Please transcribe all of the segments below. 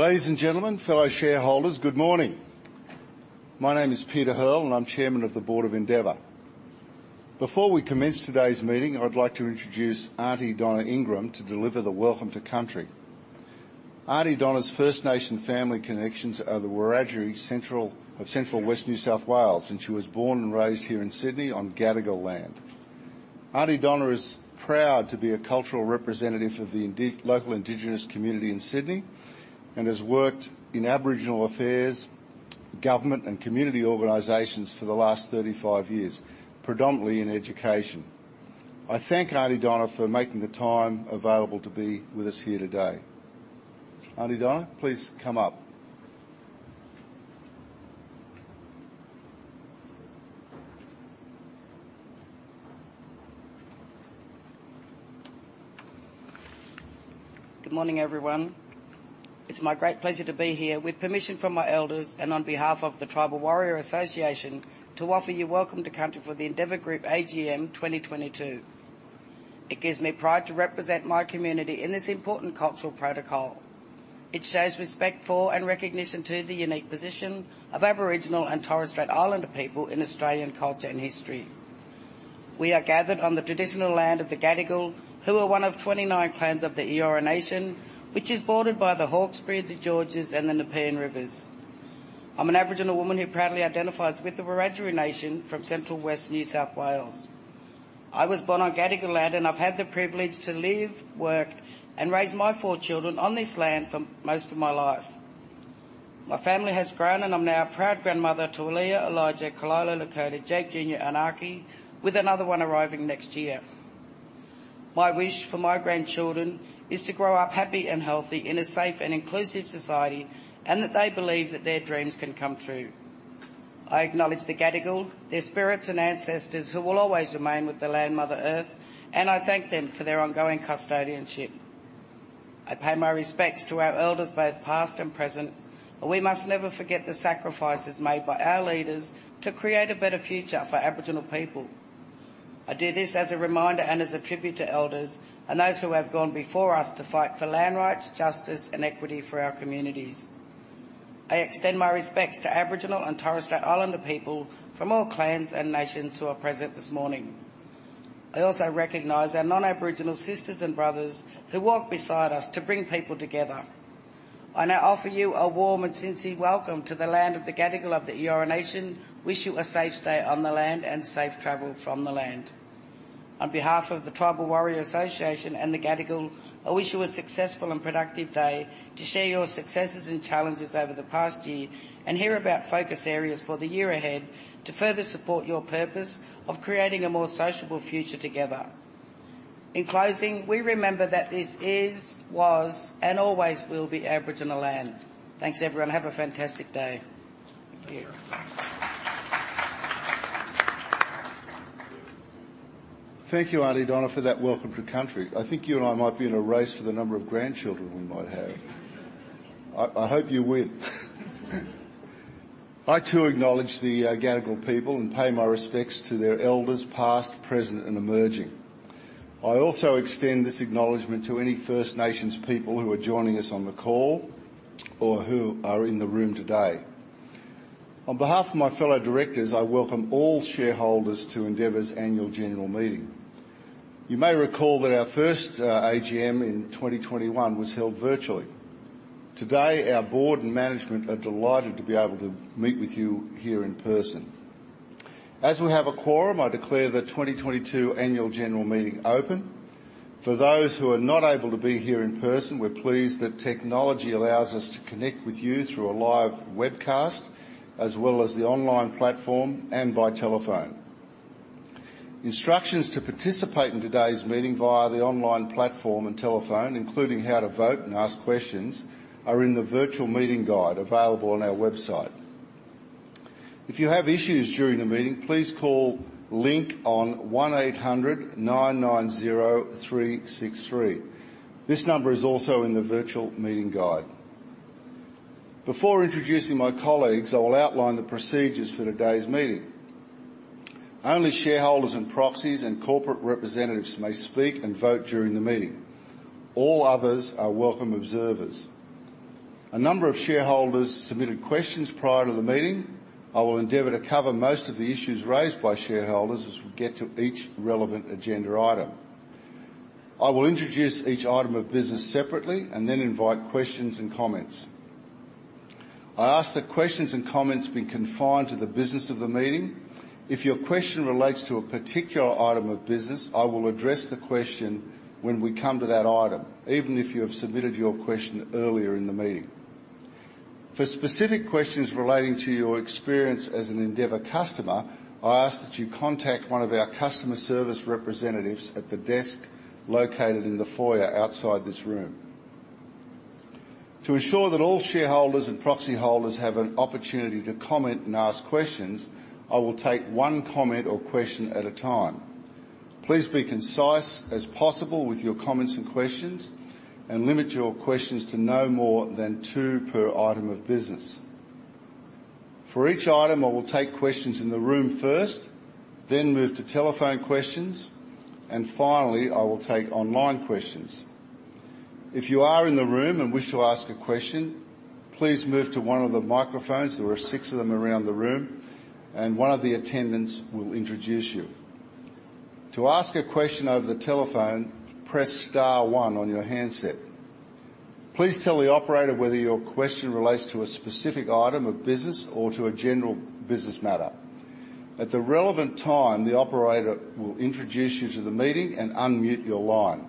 Ladies and gentlemen, fellow shareholders, good morning. My name is Peter Hearl, and I'm Chairman of the Board of Endeavour. Before we commence today's meeting, I'd like to introduce Aunty Donna Ingram to deliver the Welcome to Country. Aunty Donna's First Nation family connections are the Wiradjuri central, of central west New South Wales, and she was born and raised here in Sydney on Gadigal land. Aunty Donna is proud to be a cultural representative of the local indigenous community in Sydney and has worked in Aboriginal affairs, government, and community organizations for the last 35 years, predominantly in education. I thank Aunty Donna for making the time available to be with us here today. Aunty Donna, please come up. Good morning, everyone. It's my great pleasure to be here with permission from my elders and on behalf of the Tribal Warrior Association to offer you Welcome to Country for the Endeavour Group AGM 2022. It gives me pride to represent my community in this important cultural protocol. It shows respect for and recognition to the unique position of Aboriginal and Torres Strait Islander people in Australian culture and history. We are gathered on the traditional land of the Gadigal, who are one of 29 clans of the Eora Nation, which is bordered by the Hawkesbury, the Georges, and the Nepean rivers. I'm an Aboriginal woman who proudly identifies with the Wiradjuri Nation from central west New South Wales. I was born on Gadigal land, and I've had the privilege to live, work, and raise my four children on this land for most of my life. My family has grown, and I'm now a proud grandmother to Aliyah, Elijah, Kalila, Lakota, Jake Jr, Anaki, with another one arriving next year. My wish for my grandchildren is to grow up happy and healthy in a safe and inclusive society, and that they believe that their dreams can come true. I acknowledge the Gadigal, their spirits and ancestors, who will always remain with the land, Mother Earth, and I thank them for their ongoing custodianship. I pay my respects to our elders, both past and present, for we must never forget the sacrifices made by our leaders to create a better future for Aboriginal people. I do this as a reminder and as a tribute to elders and those who have gone before us to fight for land rights, justice, and equity for our communities. I extend my respects to Aboriginal and Torres Strait Islander people from all clans and nations who are present this morning. I also recognize our non-Aboriginal sisters and brothers who walk beside us to bring people together. I now offer you a warm and sincere welcome to the land of the Gadigal of the Eora Nation, wish you a safe stay on the land and safe travel from the land. On behalf of the Tribal Warrior Association and the Gadigal, I wish you a successful and productive day to share your successes and challenges over the past year and hear about focus areas for the year ahead to further support your purpose of creating a more sociable future together. In closing, we remember that this is, was, and always will be Aboriginal land. Thanks, everyone. Have a fantastic day. Thank you. Thank you, Aunty Donna, for that Welcome to Country. I think you and I might be in a race for the number of grandchildren we might have. I hope you win. I too acknowledge the Gadigal people and pay my respects to their elders, past, present, and emerging. I also extend this acknowledgement to any First Nations people who are joining us on the call or who are in the room today. On behalf of my fellow directors, I welcome all shareholders to Endeavour's annual general meeting. You may recall that our first AGM in 2021 was held virtually. Today, our board and management are delighted to be able to meet with you here in person. As we have a quorum, I declare the 2022 annual general meeting open. For those who are not able to be here in person, we're pleased that technology allows us to connect with you through a live webcast, as well as the online platform and by telephone. Instructions to participate in today's meeting via the online platform and telephone, including how to vote and ask questions, are in the virtual meeting guide available on our website. If you have issues during the meeting, please call Link on 1-800-990-363. This number is also in the virtual meeting guide. Before introducing my colleagues, I will outline the procedures for today's meeting. Only shareholders and proxies and corporate representatives may speak and vote during the meeting. All others are welcome observers. A number of shareholders submitted questions prior to the meeting. I will endeavor to cover most of the issues raised by shareholders as we get to each relevant agenda item. I will introduce each item of business separately and then invite questions and comments. I ask that questions and comments be confined to the business of the meeting. If your question relates to a particular item of business, I will address the question when we come to that item, even if you have submitted your question earlier in the meeting. For specific questions relating to your experience as an Endeavour customer, I ask that you contact one of our customer service representatives at the desk located in the foyer outside this room. To ensure that all shareholders and proxy holders have an opportunity to comment and ask questions, I will take one comment or question at a time. Please be concise as possible with your comments and questions and limit your questions to no more than two per item of business. For each item, I will take questions in the room first, then move to telephone questions, and finally, I will take online questions. If you are in the room and wish to ask a question, please move to one of the microphones. There are six of them around the room, and one of the attendants will introduce you. To ask a question over the telephone, press star one on your handset. Please tell the operator whether your question relates to a specific item of business or to a general business matter. At the relevant time, the operator will introduce you to the meeting and unmute your line.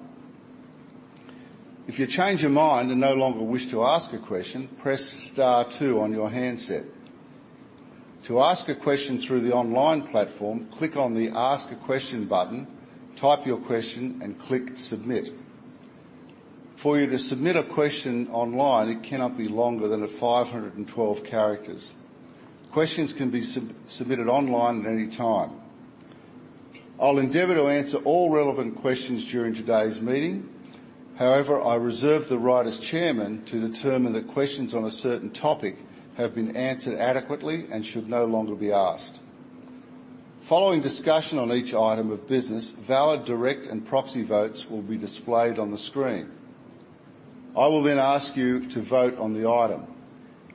If you change your mind and no longer wish to ask a question, press star two on your handset. To ask a question through the online platform, click on the Ask a Question button, type your question, and click Submit. For you to submit a question online, it cannot be longer than 512 characters. Questions can be submitted online at any time. I'll endeavor to answer all relevant questions during today's meeting. However, I reserve the right as Chairman to determine that questions on a certain topic have been answered adequately and should no longer be asked. Following discussion on each item of business, valid direct and proxy votes will be displayed on the screen. I will then ask you to vote on the item.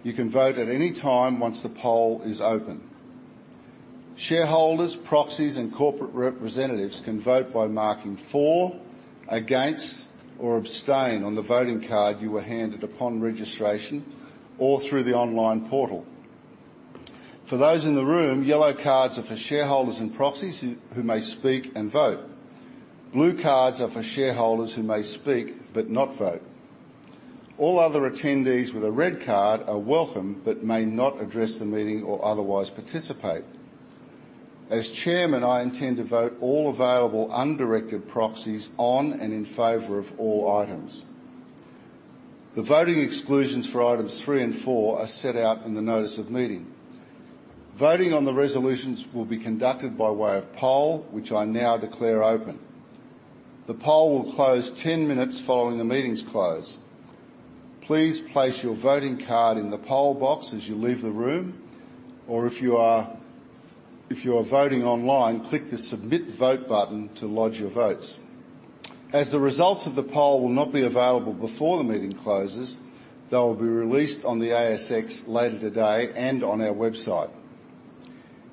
You can vote at any time once the poll is open. Shareholders, proxies, and corporate representatives can vote by marking For, Against, or Abstain on the voting card you were handed upon registration or through the online portal. For those in the room, yellow cards are for shareholders and proxies who may speak and vote. Blue cards are for shareholders who may speak, but not vote. All other attendees with a red card are welcome, but may not address the meeting or otherwise participate. As Chairman, I intend to vote all available undirected proxies on and in favor of all items. The voting exclusions for items three and four are set out in the notice of meeting. Voting on the resolutions will be conducted by way of poll, which I now declare open. The poll will close 10 minutes following the meeting's close. Please place your voting card in the poll box as you leave the room, or if you are voting online, click the Submit Vote button to lodge your votes. As the results of the poll will not be available before the meeting closes, they will be released on the ASX later today and on our website.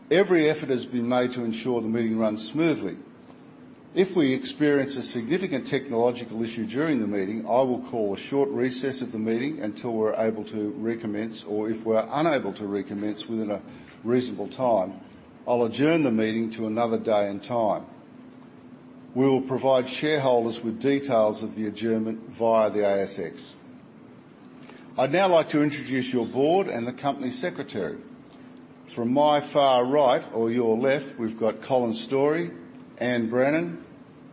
Every effort has been made to ensure the meeting runs smoothly. If we experience a significant technological issue during the meeting, I will call a short recess of the meeting until we're able to recommence. If we're unable to recommence within a reasonable time, I'll adjourn the meeting to another day and time. We will provide shareholders with details of the adjournment via the ASX. I'd now like to introduce your board and the company secretary. From my far right or your left, we've got Colin Storrie, Anne Brennan,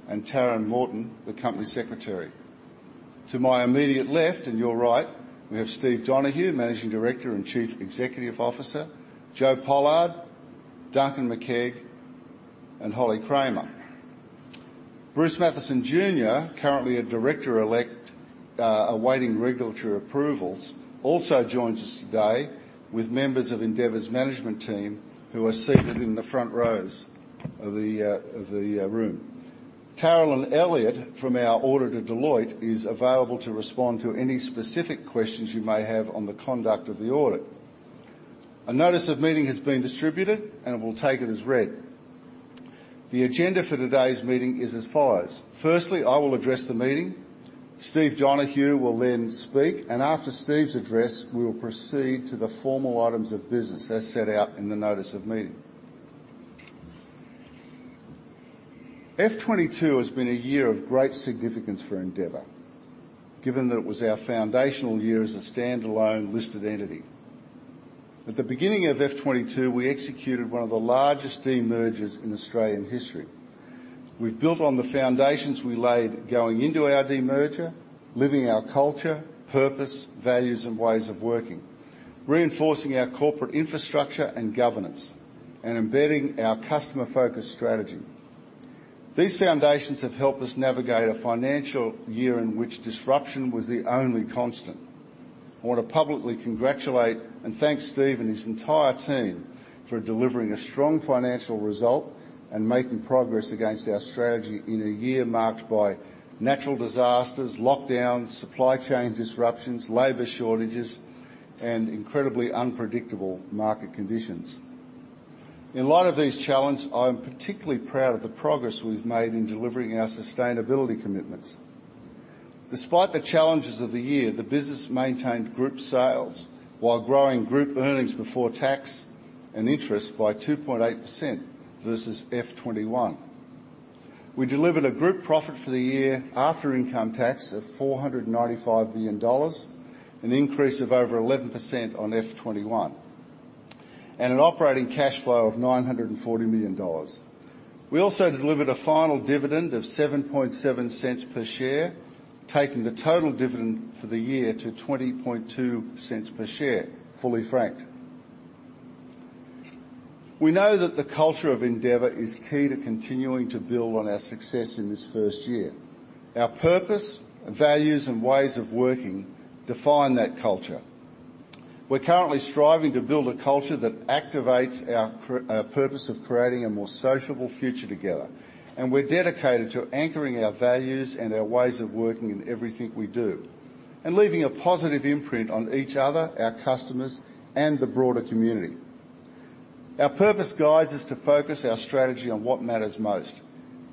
and Taryn Morton, the company secretary. To my immediate left and your right, we have Steve Donohue, Managing Director and Chief Executive Officer, Joe Pollard, Duncan Makeig, and Holly Kramer. Bruce Mathieson Jr., currently a director-elect, awaiting regulatory approvals, also joins us today with members of Endeavour's management team who are seated in the front rows of the room. Taryn Elliott from our auditor, Deloitte, is available to respond to any specific questions you may have on the conduct of the audit. A notice of meeting has been distributed and we'll take it as read. The agenda for today's meeting is as follows. Firstly, I will address the meeting. Steve Donohue will then speak, and after Steve's address, we will proceed to the formal items of business as set out in the notice of meeting. FY22 has been a year of great significance for Endeavour, given that it was our foundational year as a standalone listed entity. At the beginning of FY22, we executed one of the largest demergers in Australian history. We've built on the foundations we laid going into our demerger, living our culture, purpose, values, and ways of working, reinforcing our corporate infrastructure and governance, and embedding our customer-focused strategy. These foundations have helped us navigate a financial year in which disruption was the only constant. I want to publicly congratulate and thank Steve and his entire team for delivering a strong financial result and making progress against our strategy in a year marked by natural disasters, lockdowns, supply chain disruptions, labor shortages, and incredibly unpredictable market conditions. In light of these challenges, I am particularly proud of the progress we've made in delivering our sustainability commitments. Despite the challenges of the year, the business maintained group sales while growing group earnings before tax and interest by 2.8% versus FY21. We delivered a group profit for the year after income tax of 495 million dollars, an increase of over 11% on FY21, and an operating cash flow of 940 million dollars. We also delivered a final dividend of 0.077 per share, taking the total dividend for the year to 0.202 per share, fully franked. We know that the culture of Endeavour is key to continuing to build on our success in this first year. Our purpose, values, and ways of working define that culture. We're currently striving to build a culture that activates our purpose of creating a more sociable future together, and we're dedicated to anchoring our values and our ways of working in everything we do, and leaving a positive imprint on each other, our customers, and the broader community. Our purpose guides us to focus our strategy on what matters most,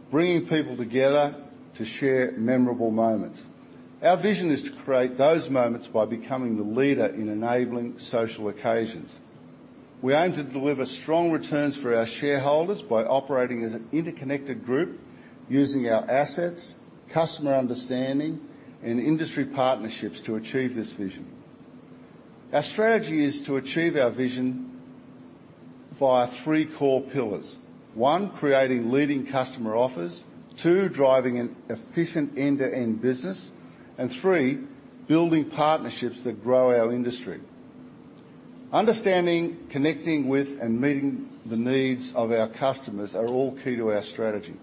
bringing people together to share memorable moments. Our vision is to create those moments by becoming the leader in enabling social occasions. We aim to deliver strong returns for our shareholders by operating as an interconnected group using our assets, customer understanding, and industry partnerships to achieve this vision. Our strategy is to achieve our vision via three core pillars. One, creating leading customer offers. Two, driving an efficient end-to-end business. Three, building partnerships that grow our industry. Understanding, connecting with, and meeting the needs of our customers are all key to our strategy.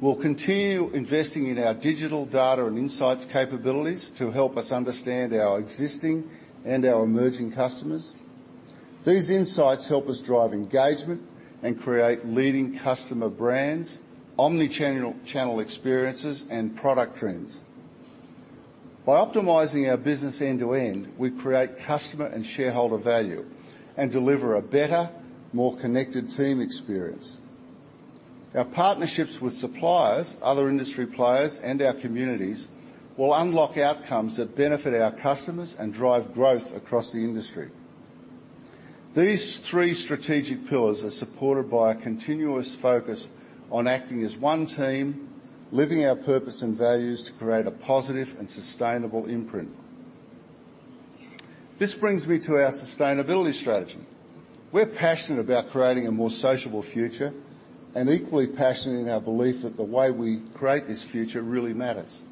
We'll continue investing in our digital data and insights capabilities to help us understand our existing and our emerging customers. These insights help us drive engagement and create leading customer brands, omni-channel, channel experiences, and product trends. By optimizing our business end to end, we create customer and shareholder value and deliver a better, more connected team experience. Our partnerships with suppliers, other industry players, and our communities will unlock outcomes that benefit our customers and drive growth across the industry. These three strategic pillars are supported by a continuous focus on acting as one team, living our purpose and values to create a positive and sustainable imprint. This brings me to our sustainability strategy. We're passionate about creating a more sociable future and equally passionate in our belief that the way we create this future really matters.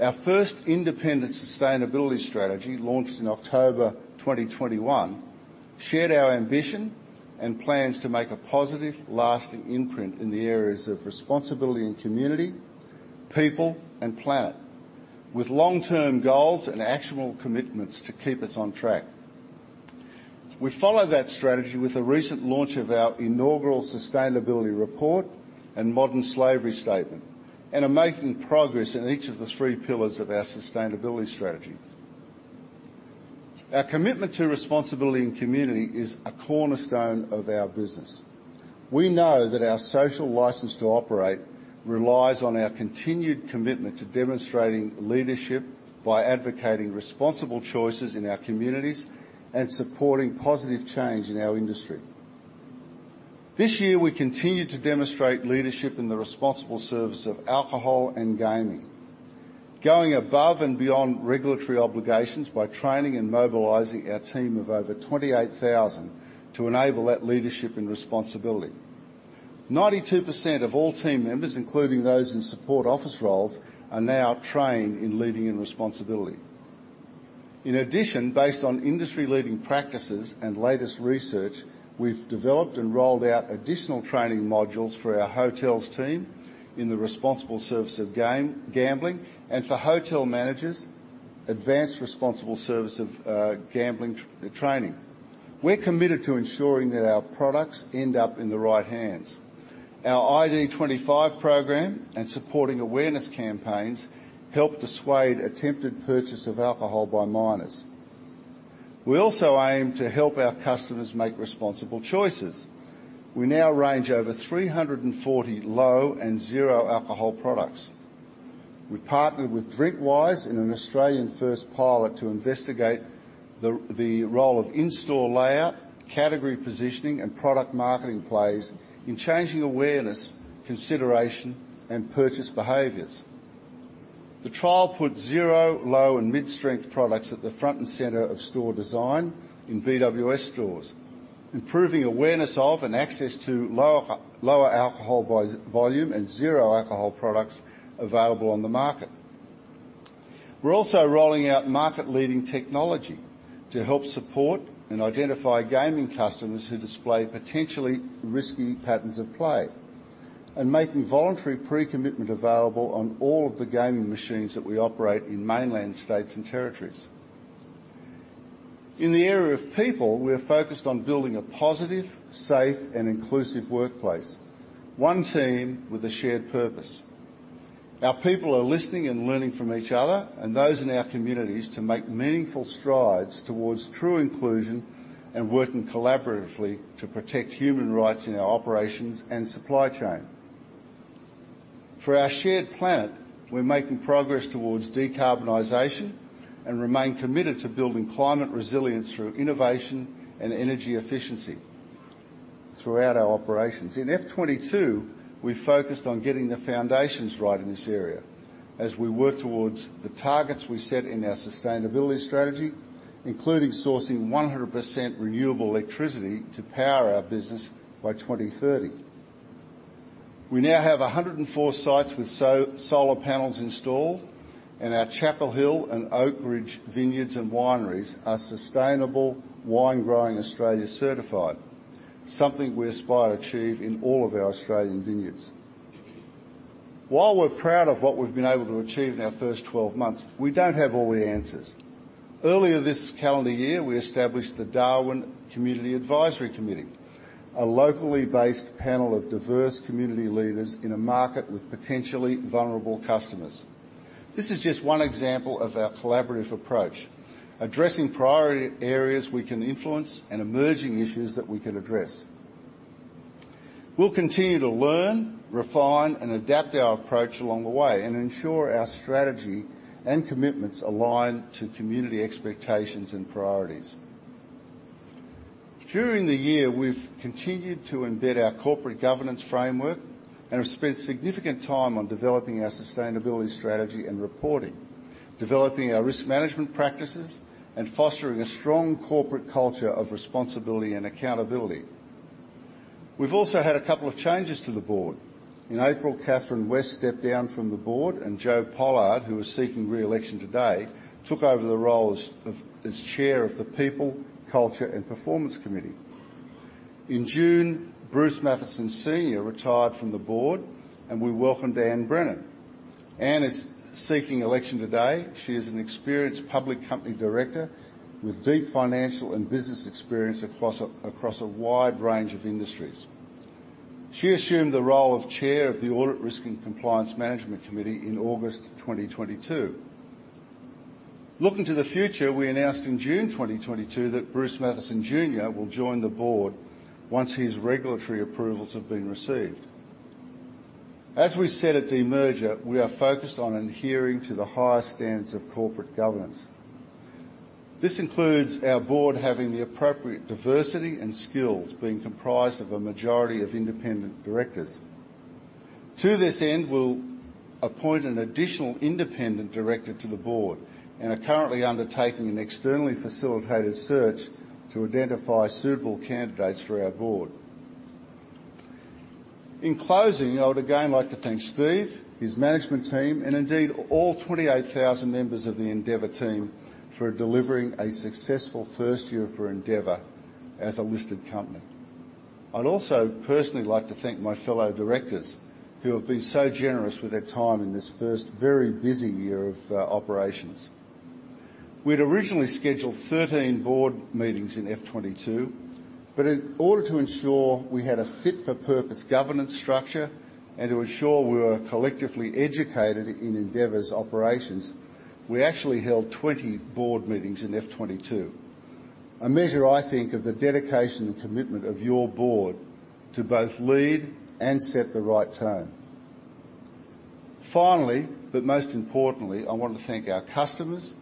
Our first independent sustainability strategy, launched in October 2021, shared our ambition and plans to make a positive, lasting imprint in the areas of responsibility and community, people, and planet, with long-term goals and actionable commitments to keep us on track. We follow that strategy with the recent launch of our inaugural sustainability report and modern slavery statement and are making progress in each of the three pillars of our sustainability strategy. Our commitment to responsibility and community is a cornerstone of our business. We know that our social license to operate relies on our continued commitment to demonstrating leadership by advocating responsible choices in our communities and supporting positive change in our industry. This year, we continued to demonstrate leadership in the responsible service of alcohol and gaming, going above and beyond regulatory obligations by training and mobilizing our team of over 28,000 to enable that leadership and responsibility. 92% of all team members, including those in support office roles, are now trained in leading in responsibility. In addition, based on industry-leading practices and latest research, we've developed and rolled out additional training modules for our hotels team in the responsible service of gaming and gambling, and for hotel managers, advanced responsible service of gambling training. We're committed to ensuring that our products end up in the right hands. Our ID25 program and supporting awareness campaigns help dissuade attempted purchase of alcohol by minors. We also aim to help our customers make responsible choices. We now range over 340 low and zero-alcohol products. We partnered with DrinkWise in an Australian-first pilot to investigate the role of in-store layout, category positioning, and product marketing plays in changing awareness, consideration, and purchase behaviors. The trial put zero, low, and mid-strength products at the front and center of store design in BWS stores, improving awareness of and access to lower alcohol by volume and zero-alcohol products available on the market. We're also rolling out market-leading technology to help support and identify gaming customers who display potentially risky patterns of play and making voluntary pre-commitment available on all of the gaming machines that we operate in mainland states and territories. In the area of people, we are focused on building a positive, safe, and inclusive workplace, one team with a shared purpose. Our people are listening and learning from each other and those in our communities to make meaningful strides towards true inclusion and working collaboratively to protect human rights in our operations and supply chain. For our shared planet, we're making progress towards decarbonization and remain committed to building climate resilience through innovation and energy efficiency throughout our operations. In FY 2022, we focused on getting the foundations right in this area as we work towards the targets we set in our sustainability strategy, including sourcing 100% renewable electricity to power our business by 2030. We now have 104 sites with solar panels installed, and our Chapel Hill and Oakridge vineyards and wineries are Sustainable Winegrowing Australia certified, something we aspire to achieve in all of our Australian vineyards. While we're proud of what we've been able to achieve in our first 12 months, we don't have all the answers. Earlier this calendar year, we established the Darwin Community Advisory Committee, a locally based panel of diverse community leaders in a market with potentially vulnerable customers. This is just one example of our collaborative approach, addressing priority areas we can influence and emerging issues that we can address. We'll continue to learn, refine, and adapt our approach along the way and ensure our strategy and commitments align to community expectations and priorities. During the year, we've continued to embed our corporate governance framework and have spent significant time on developing our sustainability strategy and reporting, developing our risk management practices, and fostering a strong corporate culture of responsibility and accountability. We've also had a couple of changes to the board. In April, Catherine West stepped down from the board, and Jo Pollard, who is seeking re-election today, took over the role as Chair of the People, Culture and Performance Committee. In June, Bruce Mathieson Senior retired from the board, and we welcomed Anne Brennan. Anne is seeking election today. She is an experienced public company director with deep financial and business experience across a wide range of industries. She assumed the role of Chair of the Audit, Risk and Compliance Management Committee in August 2022. Looking to the future, we announced in June 2022 that Bruce Mathieson Jr. will join the board once his regulatory approvals have been received. As we said at demerger, we are focused on adhering to the highest standards of corporate governance. This includes our board having the appropriate diversity and skills being comprised of a majority of independent directors. To this end, we'll appoint an additional independent director to the board and are currently undertaking an externally facilitated search to identify suitable candidates for our board. In closing, I would again like to thank Steve, his management team, and indeed all 28,000 members of the Endeavour team for delivering a successful first year for Endeavour as a listed company. I'd also personally like to thank my fellow directors who have been so generous with their time in this first very busy year of operations. We'd originally scheduled 13 board meetings in FY 2022, but in order to ensure we had a fit for purpose governance structure and to ensure we were collectively educated in Endeavour's operations, we actually held 20 board meetings in FY 2022. A measure I think of the dedication and commitment of your board to both lead and set the right tone. Finally, but most importantly, I want to thank our customers,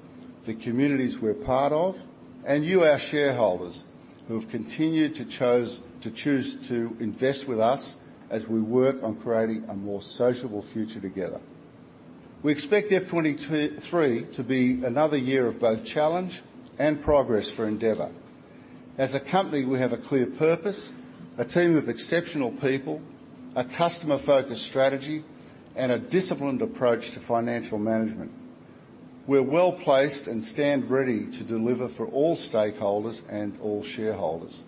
the communities we're part of, and you, our shareholders, who have continued to choose to invest with us as we work on creating a more sociable future together. We expect FY 2023 to be another year of both challenge and progress for Endeavour. As a company, we have a clear purpose, a team of exceptional people, a customer-focused strategy, and a disciplined approach to financial management. We're well-placed and stand ready to deliver for all stakeholders and all shareholders.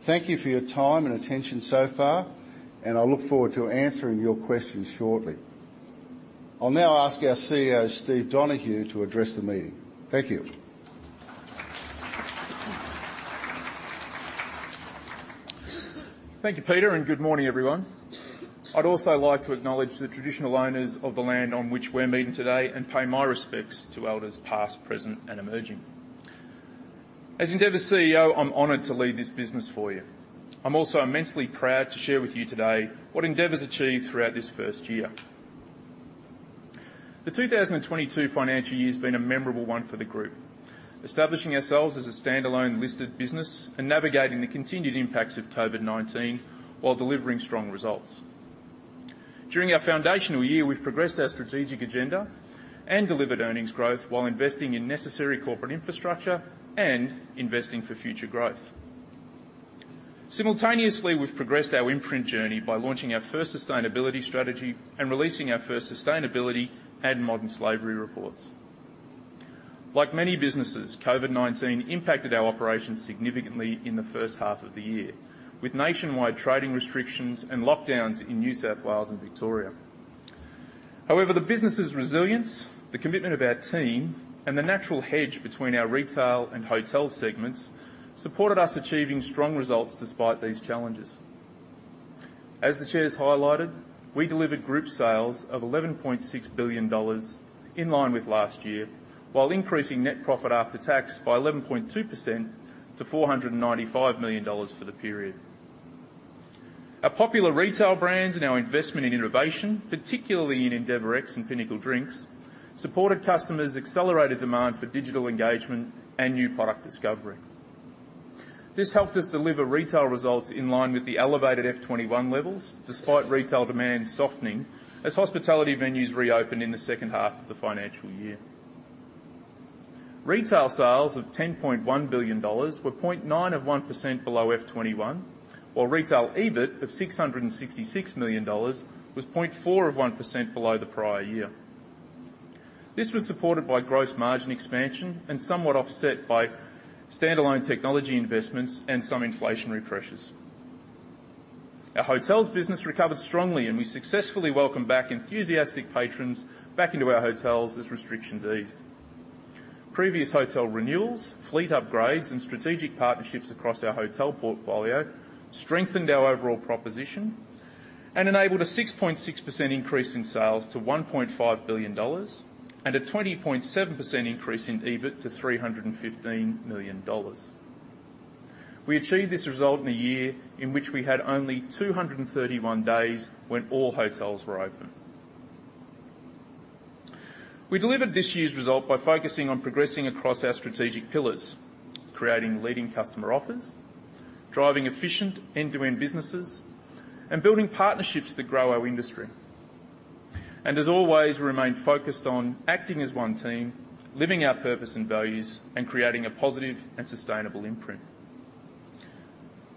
Thank you for your time and attention so far, and I look forward to answering your questions shortly. I'll now ask our CEO, Steve Donohue, to address the meeting. Thank you. Thank you, Peter, and good morning, everyone. I'd also like to acknowledge the traditional owners of the land on which we're meeting today and pay my respects to elders past, present, and emerging. As Endeavour's CEO, I'm honored to lead this business for you. I'm also immensely proud to share with you today what Endeavour's achieved throughout this first year. The 2022 financial year's been a memorable one for the group, establishing ourselves as a standalone listed business and navigating the continued impacts of COVID-19 while delivering strong results. During our foundational year, we've progressed our strategic agenda and delivered earnings growth while investing in necessary corporate infrastructure and investing for future growth. Simultaneously, we've progressed our impact journey by launching our first sustainability strategy and releasing our first sustainability and modern slavery reports. Like many businesses, COVID-19 impacted our operations significantly in the first half of the year, with nationwide trading restrictions and lockdowns in New South Wales and Victoria. However, the business's resilience, the commitment of our team, and the natural hedge between our retail and hotel segments supported us achieving strong results despite these challenges. As the Chair has highlighted, we delivered group sales of 11.6 billion dollars in line with last year, while increasing net profit after tax by 11.2% to 495 million dollars for the period. Our popular retail brands and our investment in innovation, particularly in EndeavourX and Pinnacle Drinks, supported customers' accelerated demand for digital engagement and new product discovery. This helped us deliver retail results in line with the elevated FY21 levels, despite retail demand softening as hospitality venues reopened in the second half of the financial year. Retail sales of 10.1 billion dollars were 0.91% below FY21, while retail EBIT of 666 million dollars was 0.41% below the prior year. This was supported by gross margin expansion and somewhat offset by standalone technology investments and some inflationary pressures. Our hotels business recovered strongly and we successfully welcomed back enthusiastic patrons back into our hotels as restrictions eased. Previous hotel renewals, fleet upgrades and strategic partnerships across our hotel portfolio strengthened our overall proposition and enabled a 6.6% increase in sales to 1.5 billion dollars and a 20.7% increase in EBIT to 315 million dollars. We achieved this result in a year in which we had only 231 days when all hotels were open. We delivered this year's result by focusing on progressing across our strategic pillars, creating leading customer offers, driving efficient end-to-end businesses, and building partnerships that grow our industry. As always, we remain focused on acting as one team, living our purpose and values, and creating a positive and sustainable imprint.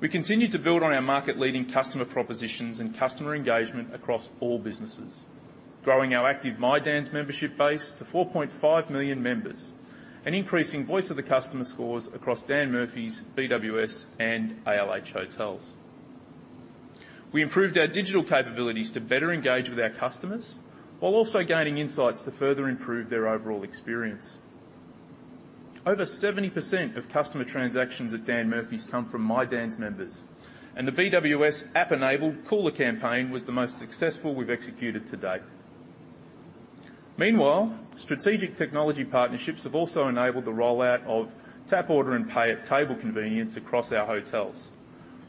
We continued to build on our market-leading customer propositions and customer engagement across all businesses, growing our active My Dan's membership base to 4.5 million members and increasing voice of the customer scores across Dan Murphy's, BWS, and ALH Hotels. We improved our digital capabilities to better engage with our customers while also gaining insights to further improve their overall experience. Over 70% of customer transactions at Dan Murphy's come from My Dan's members, and the BWS app-enabled Cooler campaign was the most successful we've executed to date. Meanwhile, strategic technology partnerships have also enabled the rollout of tap order and pay at table convenience across our hotels.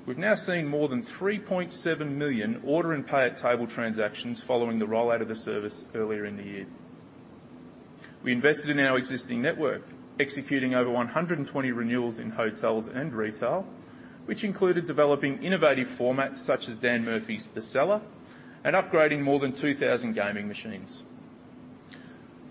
We've now seen more than 3.7 million order and pay at table transactions following the rollout of the service earlier in the year. We invested in our existing network, executing over 120 renewals in hotels and retail, which included developing innovative formats such as Dan Murphy's The Cellar and upgrading more than 2,000 gaming machines.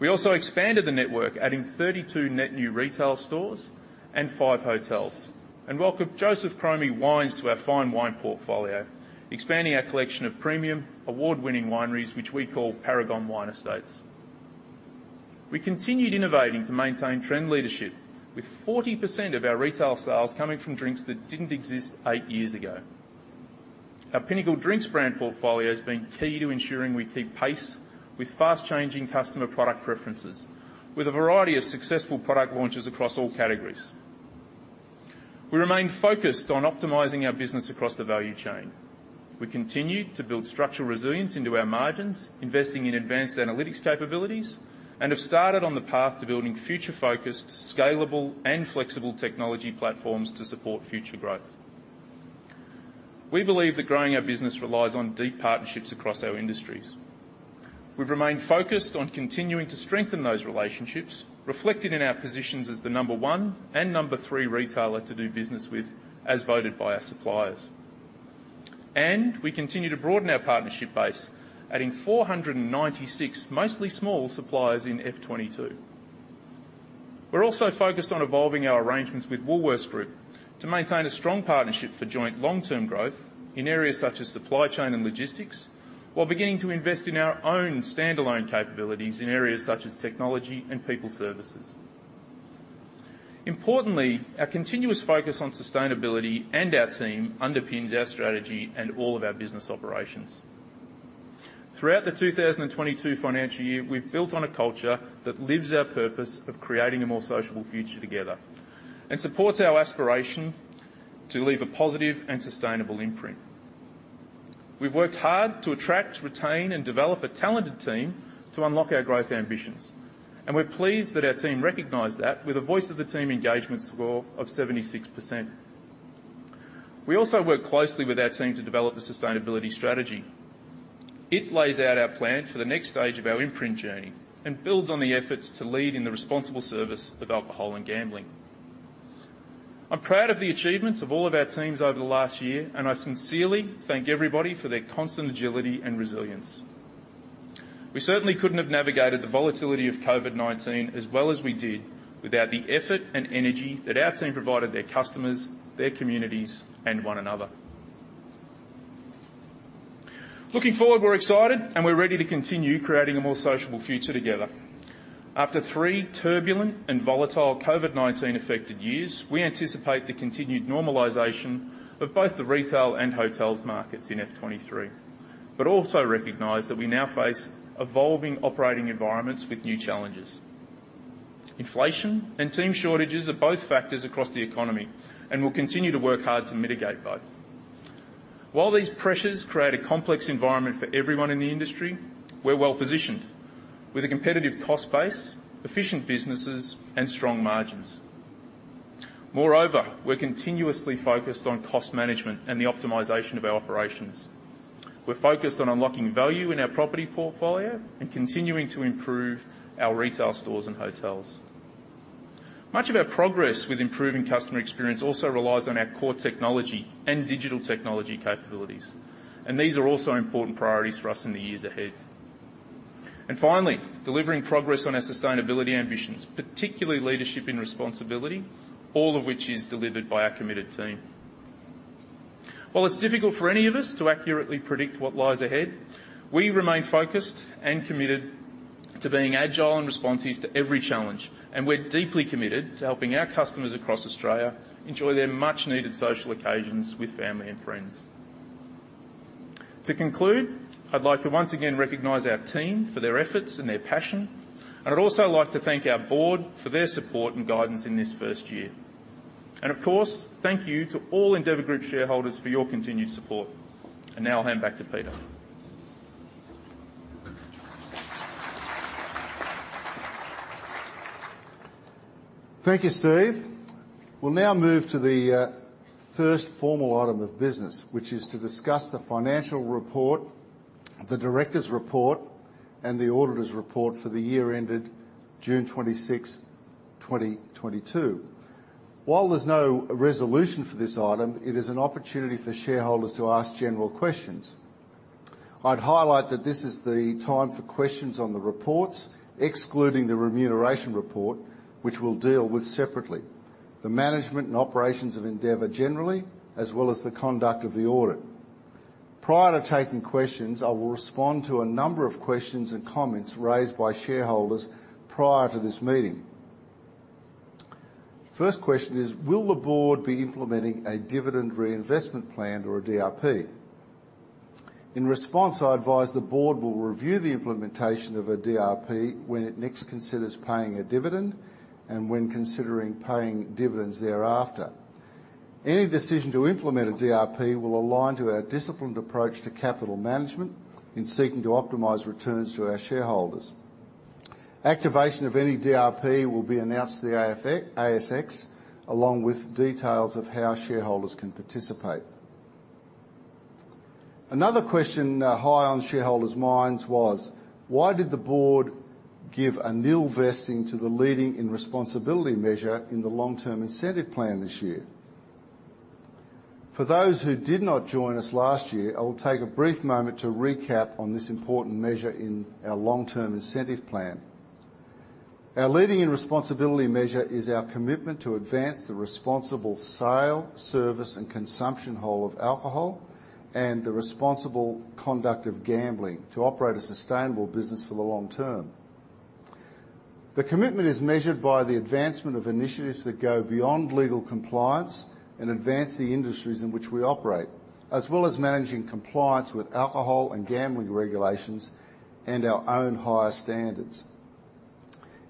We also expanded the network, adding 32 net new retail stores and five hotels, and welcomed Josef Chromy Wines to our fine wine portfolio, expanding our collection of premium award-winning wineries, which we call Paragon Wine Estates. We continued innovating to maintain trend leadership with 40% of our retail sales coming from drinks that didn't exist eight years ago. Our Pinnacle Drinks brand portfolio has been key to ensuring we keep pace with fast-changing customer product preferences with a variety of successful product launches across all categories. We remain focused on optimizing our business across the value chain. We continue to build structural resilience into our margins, investing in advanced analytics capabilities, and have started on the path to building future-focused, scalable, and flexible technology platforms to support future growth. We believe that growing our business relies on deep partnerships across our industries. We've remained focused on continuing to strengthen those relationships, reflected in our positions as the number one and number three retailer to do business with as voted by our suppliers. We continue to broaden our partnership base, adding 496 mostly small suppliers in F22. We're also focused on evolving our arrangements with Woolworths Group to maintain a strong partnership for joint long-term growth in areas such as supply chain and logistics, while beginning to invest in our own standalone capabilities in areas such as technology and people services. Importantly, our continuous focus on sustainability and our team underpins our strategy and all of our business operations. Throughout the 2022 financial year, we've built on a culture that lives our purpose of creating a more sociable future together and supports our aspiration to leave a positive and sustainable imprint. We've worked hard to attract, retain, and develop a talented team to unlock our growth ambitions, and we're pleased that our team recognized that with a voice of the team engagement score of 76%. We also work closely with our team to develop a sustainability strategy. It lays out our plan for the next stage of our impact journey and builds on the efforts to lead in the responsible service of alcohol and gambling. I'm proud of the achievements of all of our teams over the last year, and I sincerely thank everybody for their constant agility and resilience. We certainly couldn't have navigated the volatility of COVID-19 as well as we did without the effort and energy that our team provided their customers, their communities, and one another. Looking forward, we're excited and we're ready to continue creating a more sociable future together. After three turbulent and volatile COVID-19 affected years, we anticipate the continued normalization of both the retail and hotels markets in F23, but also recognize that we now face evolving operating environments with new challenges. Inflation and team shortages are both factors across the economy and we'll continue to work hard to mitigate both. While these pressures create a complex environment for everyone in the industry, we're well-positioned with a competitive cost base, efficient businesses, and strong margins. Moreover, we're continuously focused on cost management and the optimization of our operations. We're focused on unlocking value in our property portfolio and continuing to improve our retail stores and hotels. Much of our progress with improving customer experience also relies on our core technology and digital technology capabilities, and these are also important priorities for us in the years ahead. Finally, delivering progress on our sustainability ambitions, particularly leadership and responsibility, all of which is delivered by our committed team. While it's difficult for any of us to accurately predict what lies ahead, we remain focused and committed to being agile and responsive to every challenge, and we're deeply committed to helping our customers across Australia enjoy their much-needed social occasions with family and friends. To conclude, I'd like to once again recognize our team for their efforts and their passion. I'd also like to thank our board for their support and guidance in this first year. Of course, thank you to all Endeavour Group shareholders for your continued support. Now I'll hand back to Peter. Thank you, Steve. We'll now move to the first formal item of business, which is to discuss the financial report, the director's report, and the auditor's report for the year ended June 26th, 2022. While there's no resolution for this item, it is an opportunity for shareholders to ask general questions. I'd highlight that this is the time for questions on the reports, excluding the remuneration report, which we'll deal with separately, the management and operations of Endeavour generally, as well as the conduct of the audit. Prior to taking questions, I will respond to a number of questions and comments raised by shareholders prior to this meeting. First question is: Will the board be implementing a dividend reinvestment plan or a DRP? In response, I advise the board will review the implementation of a DRP when it next considers paying a dividend and when considering paying dividends thereafter. Any decision to implement a DRP will align to our disciplined approach to capital management in seeking to optimize returns to our shareholders. Activation of any DRP will be announced to the ASX, along with details of how shareholders can participate. Another question high on shareholders' minds was: Why did the board give a nil vesting to the leadership and responsibility measure in the long-term incentive plan this year? For those who did not join us last year, I will take a brief moment to recap on this important measure in our long-term incentive plan. Our leadership and responsibility measure is our commitment to advance the responsible sale, service, and consumption of alcohol and the responsible conduct of gambling to operate a sustainable business for the long term. The commitment is measured by the advancement of initiatives that go beyond legal compliance and advance the industries in which we operate, as well as managing compliance with alcohol and gambling regulations and our own higher standards.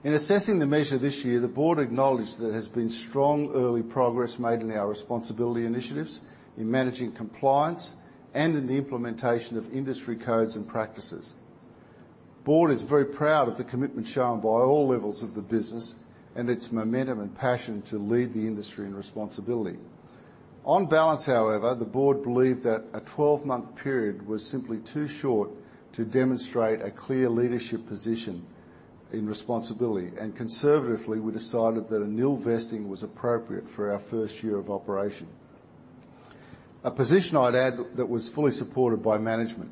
In assessing the measure this year, the board acknowledged there has been strong early progress made in our responsibility initiatives in managing compliance and in the implementation of industry codes and practices. Board is very proud of the commitment shown by all levels of the business and its momentum and passion to lead the industry in responsibility. On balance, however, the board believed that a twelve-month period was simply too short to demonstrate a clear leadership position in responsibility, and conservatively, we decided that a nil vesting was appropriate for our first year of operation. A position I'd add that was fully supported by management.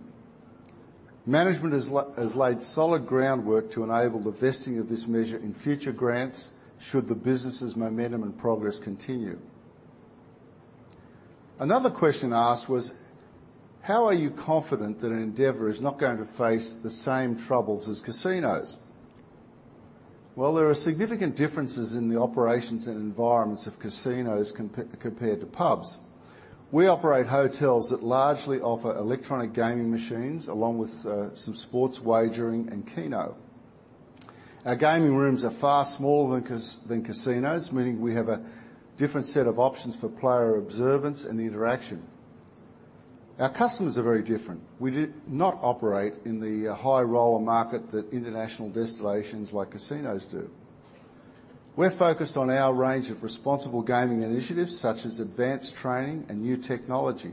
Management has laid solid groundwork to enable the vesting of this measure in future grants should the business's momentum and progress continue. Another question asked was. How are you confident that Endeavour is not going to face the same troubles as casinos? Well, there are significant differences in the operations and environments of casinos compared to pubs. We operate hotels that largely offer electronic gaming machines along with some sports wagering and keno. Our gaming rooms are far smaller than casinos, meaning we have a different set of options for player observance and interaction. Our customers are very different. We do not operate in the high roller market that international destinations like casinos do. We're focused on our range of responsible gaming initiatives, such as advanced training and new technology,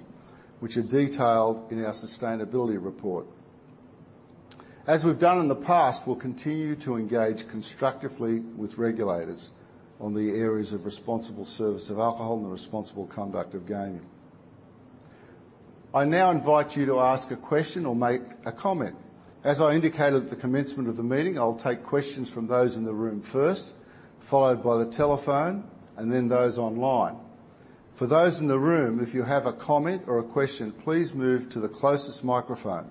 which are detailed in our sustainability report. As we've done in the past, we'll continue to engage constructively with regulators on the areas of responsible service of alcohol and the responsible conduct of gaming. I now invite you to ask a question or make a comment. As I indicated at the commencement of the meeting, I'll take questions from those in the room first, followed by the telephone, and then those online. For those in the room, if you have a comment or a question, please move to the closest microphone.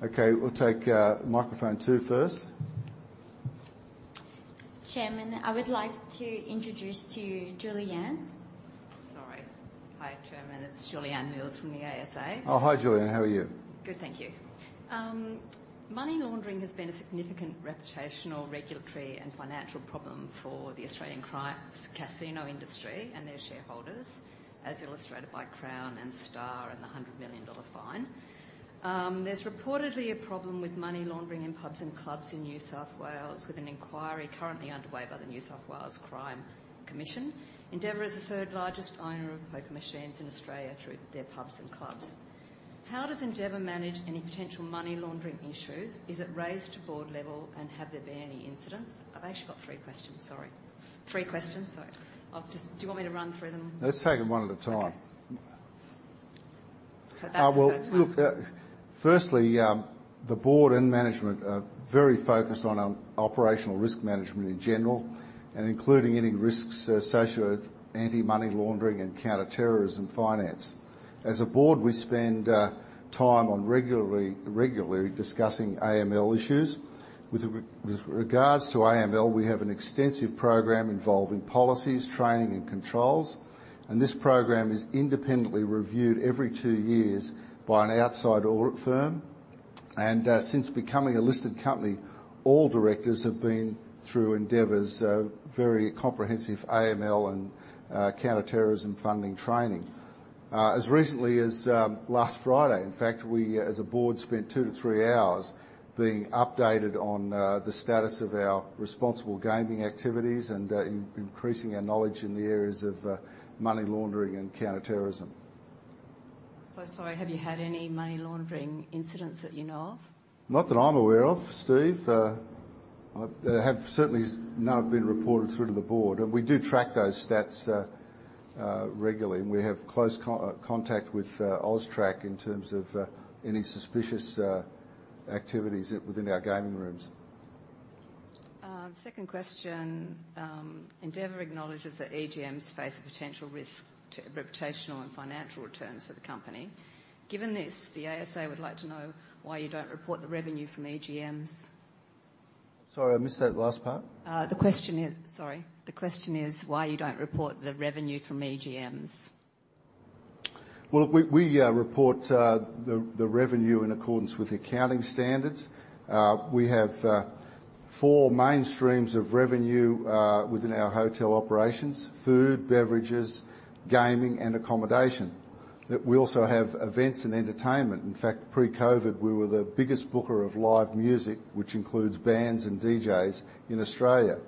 Okay, we'll take microphone two first. Chairman, I would like to introduce to you Julieanne Mills. Sorry. Hi, Chairman. It's Julieanne Mills from the ASA. Oh, hi, Julianne. How are you? Good, thank you. Money laundering has been a significant reputational, regulatory, and financial problem for the Australian casino industry and their shareholders, as illustrated by Crown and Star and the 100 million dollar fine. There's reportedly a problem with money laundering in pubs and clubs in New South Wales, with an inquiry currently underway by the New South Wales Crime Commission. Endeavour is the third largest owner of poker machines in Australia through their pubs and clubs. How does Endeavour manage any potential money laundering issues? Is it raised to board level, and have there been any incidents? I've actually got three questions, sorry. Do you want me to run through them? Let's take them one at a time. Okay. That's the first one. Well, look, firstly, the board and management are very focused on operational risk management in general, and including any risks associated with anti-money laundering and counter-terrorism financing. As a board, we spend time regularly discussing AML issues. With regards to AML, we have an extensive program involving policies, training and controls, and this program is independently reviewed every two years by an outside audit firm. Since becoming a listed company, all directors have been through Endeavour's very comprehensive AML and counter-terrorism financing training. As recently as last Friday, in fact, we, as a board, spent two to three hours being updated on the status of our responsible gaming activities and increasing our knowledge in the areas of money laundering and counter-terrorism. Sorry, have you had any money laundering incidents that you know of? Not that I'm aware of, Steve. None have been reported through to the board. We do track those stats regularly, and we have close contact with AUSTRAC in terms of any suspicious activities within our gaming rooms. Second question. Endeavour acknowledges that AGMs face a potential risk to reputational and financial returns for the company. Given this, the ASA would like to know why you don't report the revenue from AGMs. Sorry, I missed that last part. The question is why you don't report the revenue from AGMs? Well, we report the revenue in accordance with accounting standards. We have four main streams of revenue within our hotel operations, food, beverages, gaming, and accommodation. We also have events and entertainment. In fact, pre-COVID, we were the biggest booker of live music, which includes bands and DJs in Australia.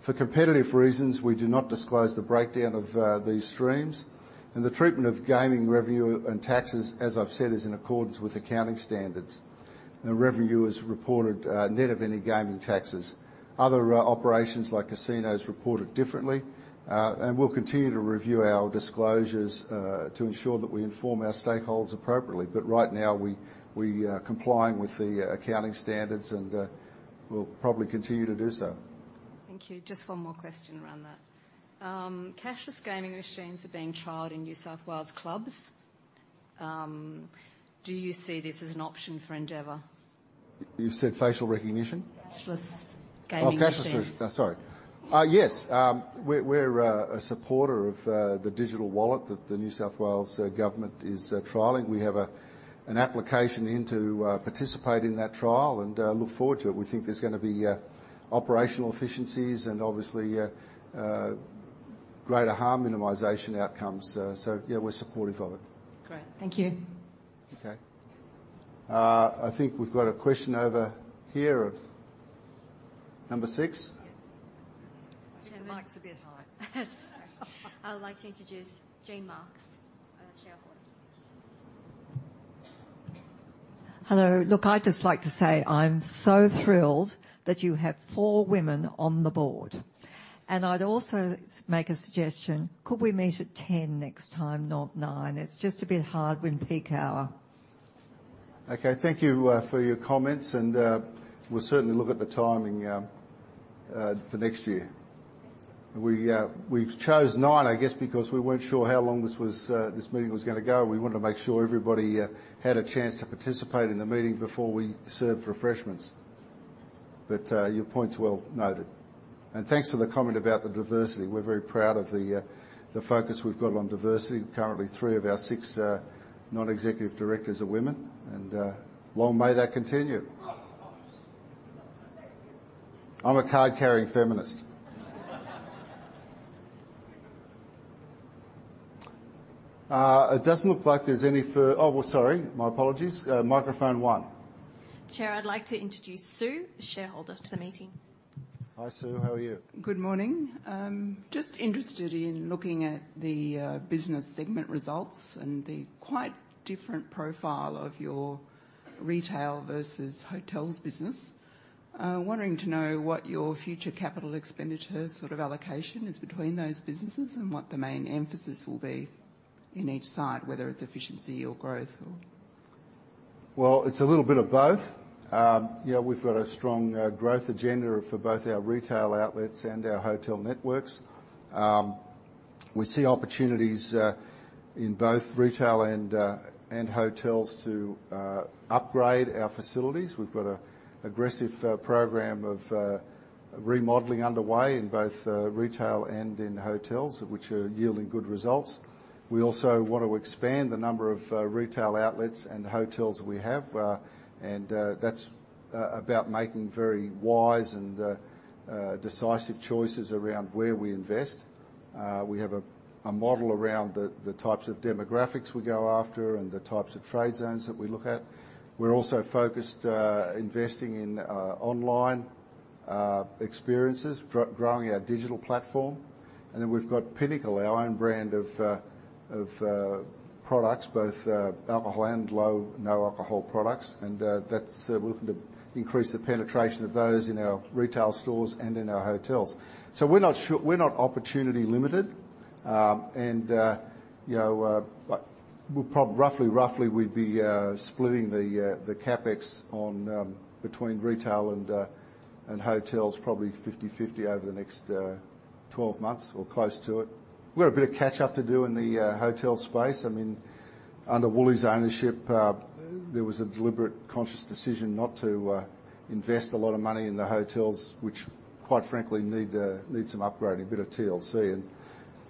For competitive reasons, we do not disclose the breakdown of these streams, and the treatment of gaming revenue and taxes, as I've said, is in accordance with accounting standards. The revenue is reported net of any gaming taxes. Other operations like casinos report it differently. We'll continue to review our disclosures to ensure that we inform our stakeholders appropriately. Right now we are complying with the accounting standards, and we'll probably continue to do so. Thank you. Just one more question around that. Cashless gaming machines are being trialed in New South Wales clubs. Do you see this as an option for Endeavour? You said facial recognition? Cashless gaming machines. Yes. We're a supporter of the digital wallet that the New South Wales government is trialing. We have an application in to participate in that trial and look forward to it. We think there's gonna be operational efficiencies and obviously greater harm minimization outcomes. Yeah, we're supportive of it. Great. Thank you. Okay. I think we've got a question over here. Number six. Yes. Chairman- The mic's a bit high. Sorry. I'd like to introduce Jane Marks, a shareholder. Hello. Look, I'd just like to say I'm so thrilled that you have four women on the board, and I'd also make a suggestion. Could we meet at 10:00 A.M. next time, not 9:00 A.M.? It's just a bit hard with peak hour. Okay. Thank you for your comments and we'll certainly look at the timing for next year. We chose nine, I guess, because we weren't sure how long this meeting was gonna go. We wanted to make sure everybody had a chance to participate in the meeting before we served refreshments. Your point's well noted. Thanks for the comment about the diversity. We're very proud of the focus we've got on diversity. Currently, three of our six non-executive directors are women, and long may that continue. Thank you. I'm a card-carrying feminist. Oh, well, sorry. My apologies. Microphone one. Chair, I'd like to introduce Sue, a shareholder to the meeting. Hi, Sue. How are you? Good morning. Just interested in looking at the business segment results and the quite different profile of your retail versus hotels business. Wanting to know what your future capital expenditure sort of allocation is between those businesses and what the main emphasis will be in each site, whether it's efficiency or growth or. Well, it's a little bit of both. You know, we've got a strong growth agenda for both our retail outlets and our hotel networks. We see opportunities in both retail and hotels to upgrade our facilities. We've got an aggressive program of remodeling underway in both retail and in hotels, which are yielding good results. We also want to expand the number of retail outlets and hotels we have, and that's about making very wise and decisive choices around where we invest. We have a model around the types of demographics we go after and the types of trade zones that we look at. We're also focused investing in online experiences, growing our digital platform. We've got Pinnacle, our own brand of products, both alcohol and low, no alcohol products. That's we're looking to increase the penetration of those in our retail stores and in our hotels. We're not opportunity limited. You know, like, we're roughly we'd be splitting the CapEx on between retail and hotels probably 50/50 over the next 12 months or close to it. We've got a bit of catch up to do in the hotel space. I mean, under Woolies' ownership, there was a deliberate conscious decision not to invest a lot of money in the hotels, which quite frankly need some upgrading, a bit of TLC.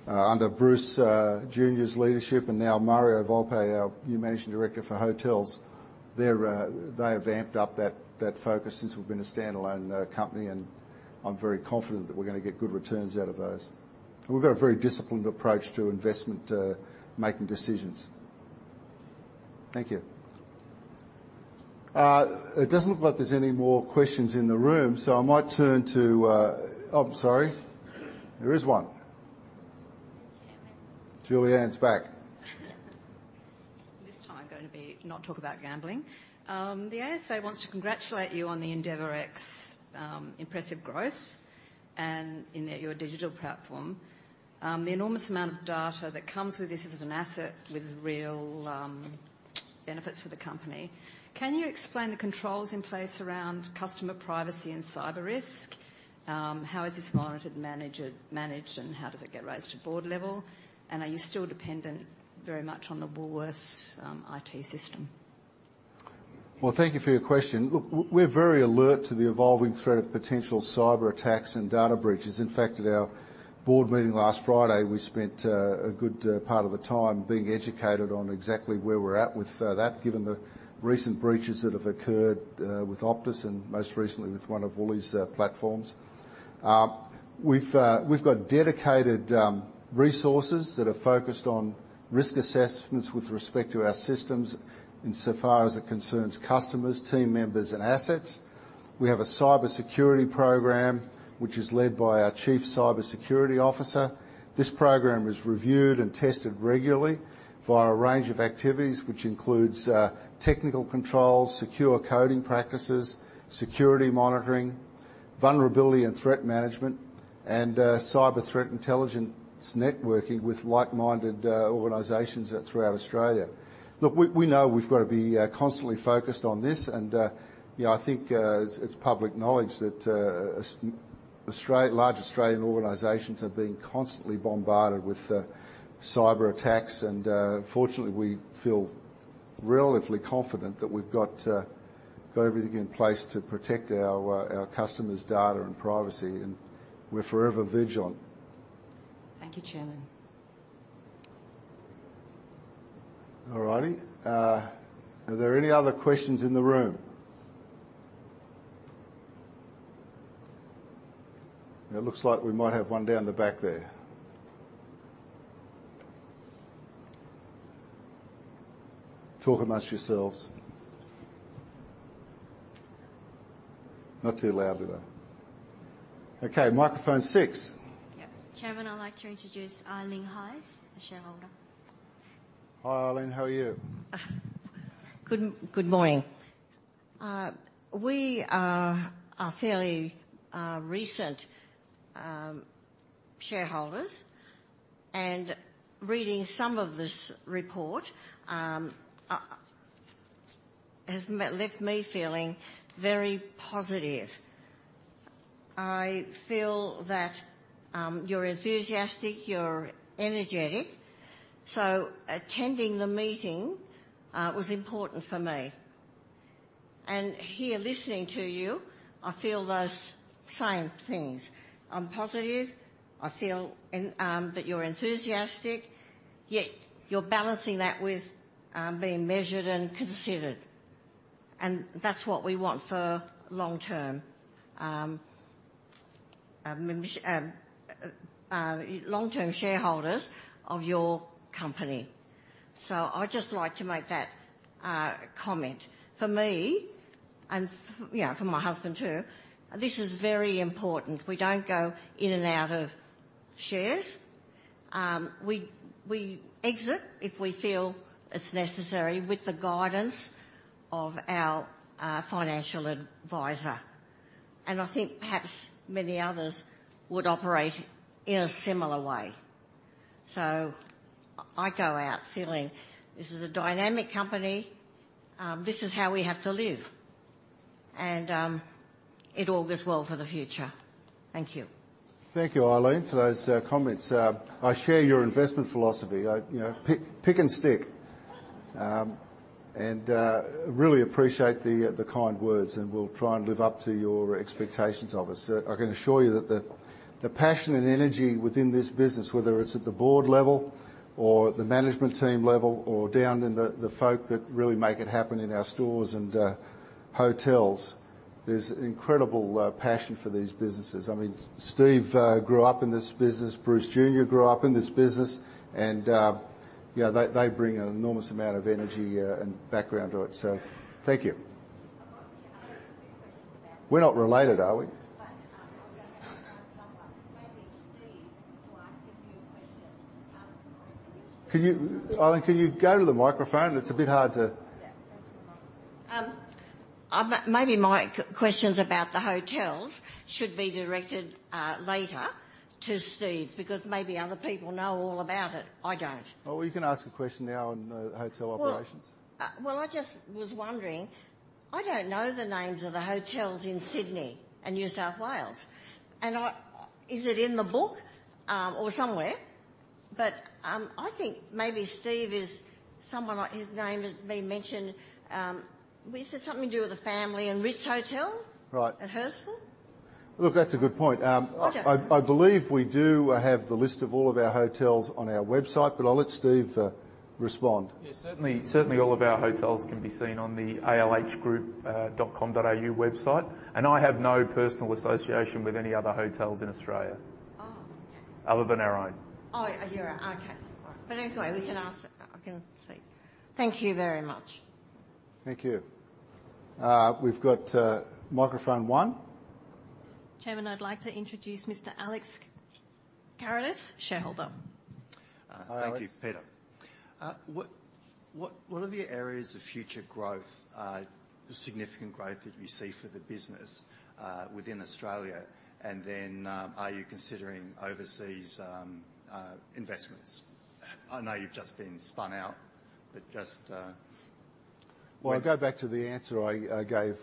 Under Bruce Mathieson Jr.'s leadership and now Mario Volpe, our new managing director for hotels, they have amped up that focus since we've been a standalone company, and I'm very confident that we're gonna get good returns out of those. We've got a very disciplined approach to investment making decisions. Thank you. It doesn't look like there's any more questions in the room, so I might turn to... Oh, sorry, there is one. Chairman. Julieanne's back. This time I'm gonna not talk about gambling. The ASA wants to congratulate you on the EndeavourX impressive growth and in your digital platform. The enormous amount of data that comes with this is an asset with real benefits for the company. Can you explain the controls in place around customer privacy and cyber risk? How is this monitored and managed, and how does it get raised to board level? Are you still dependent very much on the Woolworths IT system? Well, thank you for your question. Look, we're very alert to the evolving threat of potential cyberattacks and data breaches. In fact, at our board meeting last Friday, we spent a good part of the time being educated on exactly where we're at with that, given the recent breaches that have occurred with Optus and most recently with one of Woolies' platforms. We've got dedicated resources that are focused on risk assessments with respect to our systems insofar as it concerns customers, team members, and assets. We have a cybersecurity program, which is led by our chief cybersecurity officer. This program is reviewed and tested regularly via a range of activities, which includes technical controls, secure coding practices, security monitoring, vulnerability and threat management, and cyber threat intelligence networking with like-minded organizations throughout Australia. Look, we know we've got to be constantly focused on this. You know, I think it's public knowledge that large Australian organizations have been constantly bombarded with cyberattacks. Fortunately, we feel relatively confident that we've got everything in place to protect our customers' data and privacy, and we're forever vigilant. Thank you, Chairman. All righty. Are there any other questions in the room? It looks like we might have one down the back there. Talk among yourselves. Not too loudly, though. Okay, microphone six. Yep. Chairman, I'd like to introduce Aileen Hayse, a shareholder. Hi, Eileen. How are you? Good morning. We are fairly recent shareholders. Reading some of this report has left me feeling very positive. I feel that you're enthusiastic, you're energetic, so attending the meeting was important for me. Here listening to you, I feel those same things. I'm positive. I feel that you're enthusiastic, yet you're balancing that with being measured and considered. That's what we want for long-term shareholders of your company. I'd just like to make that comment. For me, and you know, for my husband too, this is very important. We don't go in and out of shares. We exit if we feel it's necessary with the guidance of our financial advisor. I think perhaps many others would operate in a similar way. I go out feeling this is a dynamic company. This is how we have to live. It all goes well for the future. Thank you. Thank you, Eileen, for those comments. I share your investment philosophy. I, you know, pick and stick. Really appreciate the kind words, and we'll try and live up to your expectations of us. I can assure you that the passion and energy within this business, whether it's at the board level or the management team level or down in the folk that really make it happen in our stores and hotels, there's incredible passion for these businesses. I mean, Steve Donohue grew up in this business. Bruce Mathieson Jr. grew up in this business. They bring an enormous amount of energy and background to it. Thank you. I've got the other two questions about. We're not related, are we? I've got to ask a few questions. Eileen, can you go to the microphone? Yeah. Maybe my questions about the hotels should be directed later to Steve, because maybe other people know all about it. I don't. Oh, you can ask a question now on hotel operations. Well, well, I just was wondering, I don't know the names of the hotels in Sydney and New South Wales. Is it in the book, or somewhere? I think maybe Steve is someone, his name has been mentioned, is it something to do with the family and Ritz Hotel? Right at Hurstville? Look, that's a good point. I don't know. I believe we do have the list of all of our hotels on our website, but I'll let Steve respond. Yes. Certainly all of our hotels can be seen on the alhgroup.com.au website. I have no personal association with any other hotels in Australia. Oh, okay. other than our own. Oh, your own. Okay. All right. But anyway, we can ask. I can see. Thank you very much. Thank you. We've got microphone one. Chairman, I'd like to introduce Mr. Alex Karatis, shareholder. Hi, Alex. Thank you, Peter. What are the areas of future growth, significant growth that you see for the business within Australia? Then, are you considering overseas investments? I know you've just been spun out, but just. Well, I go back to the answer I gave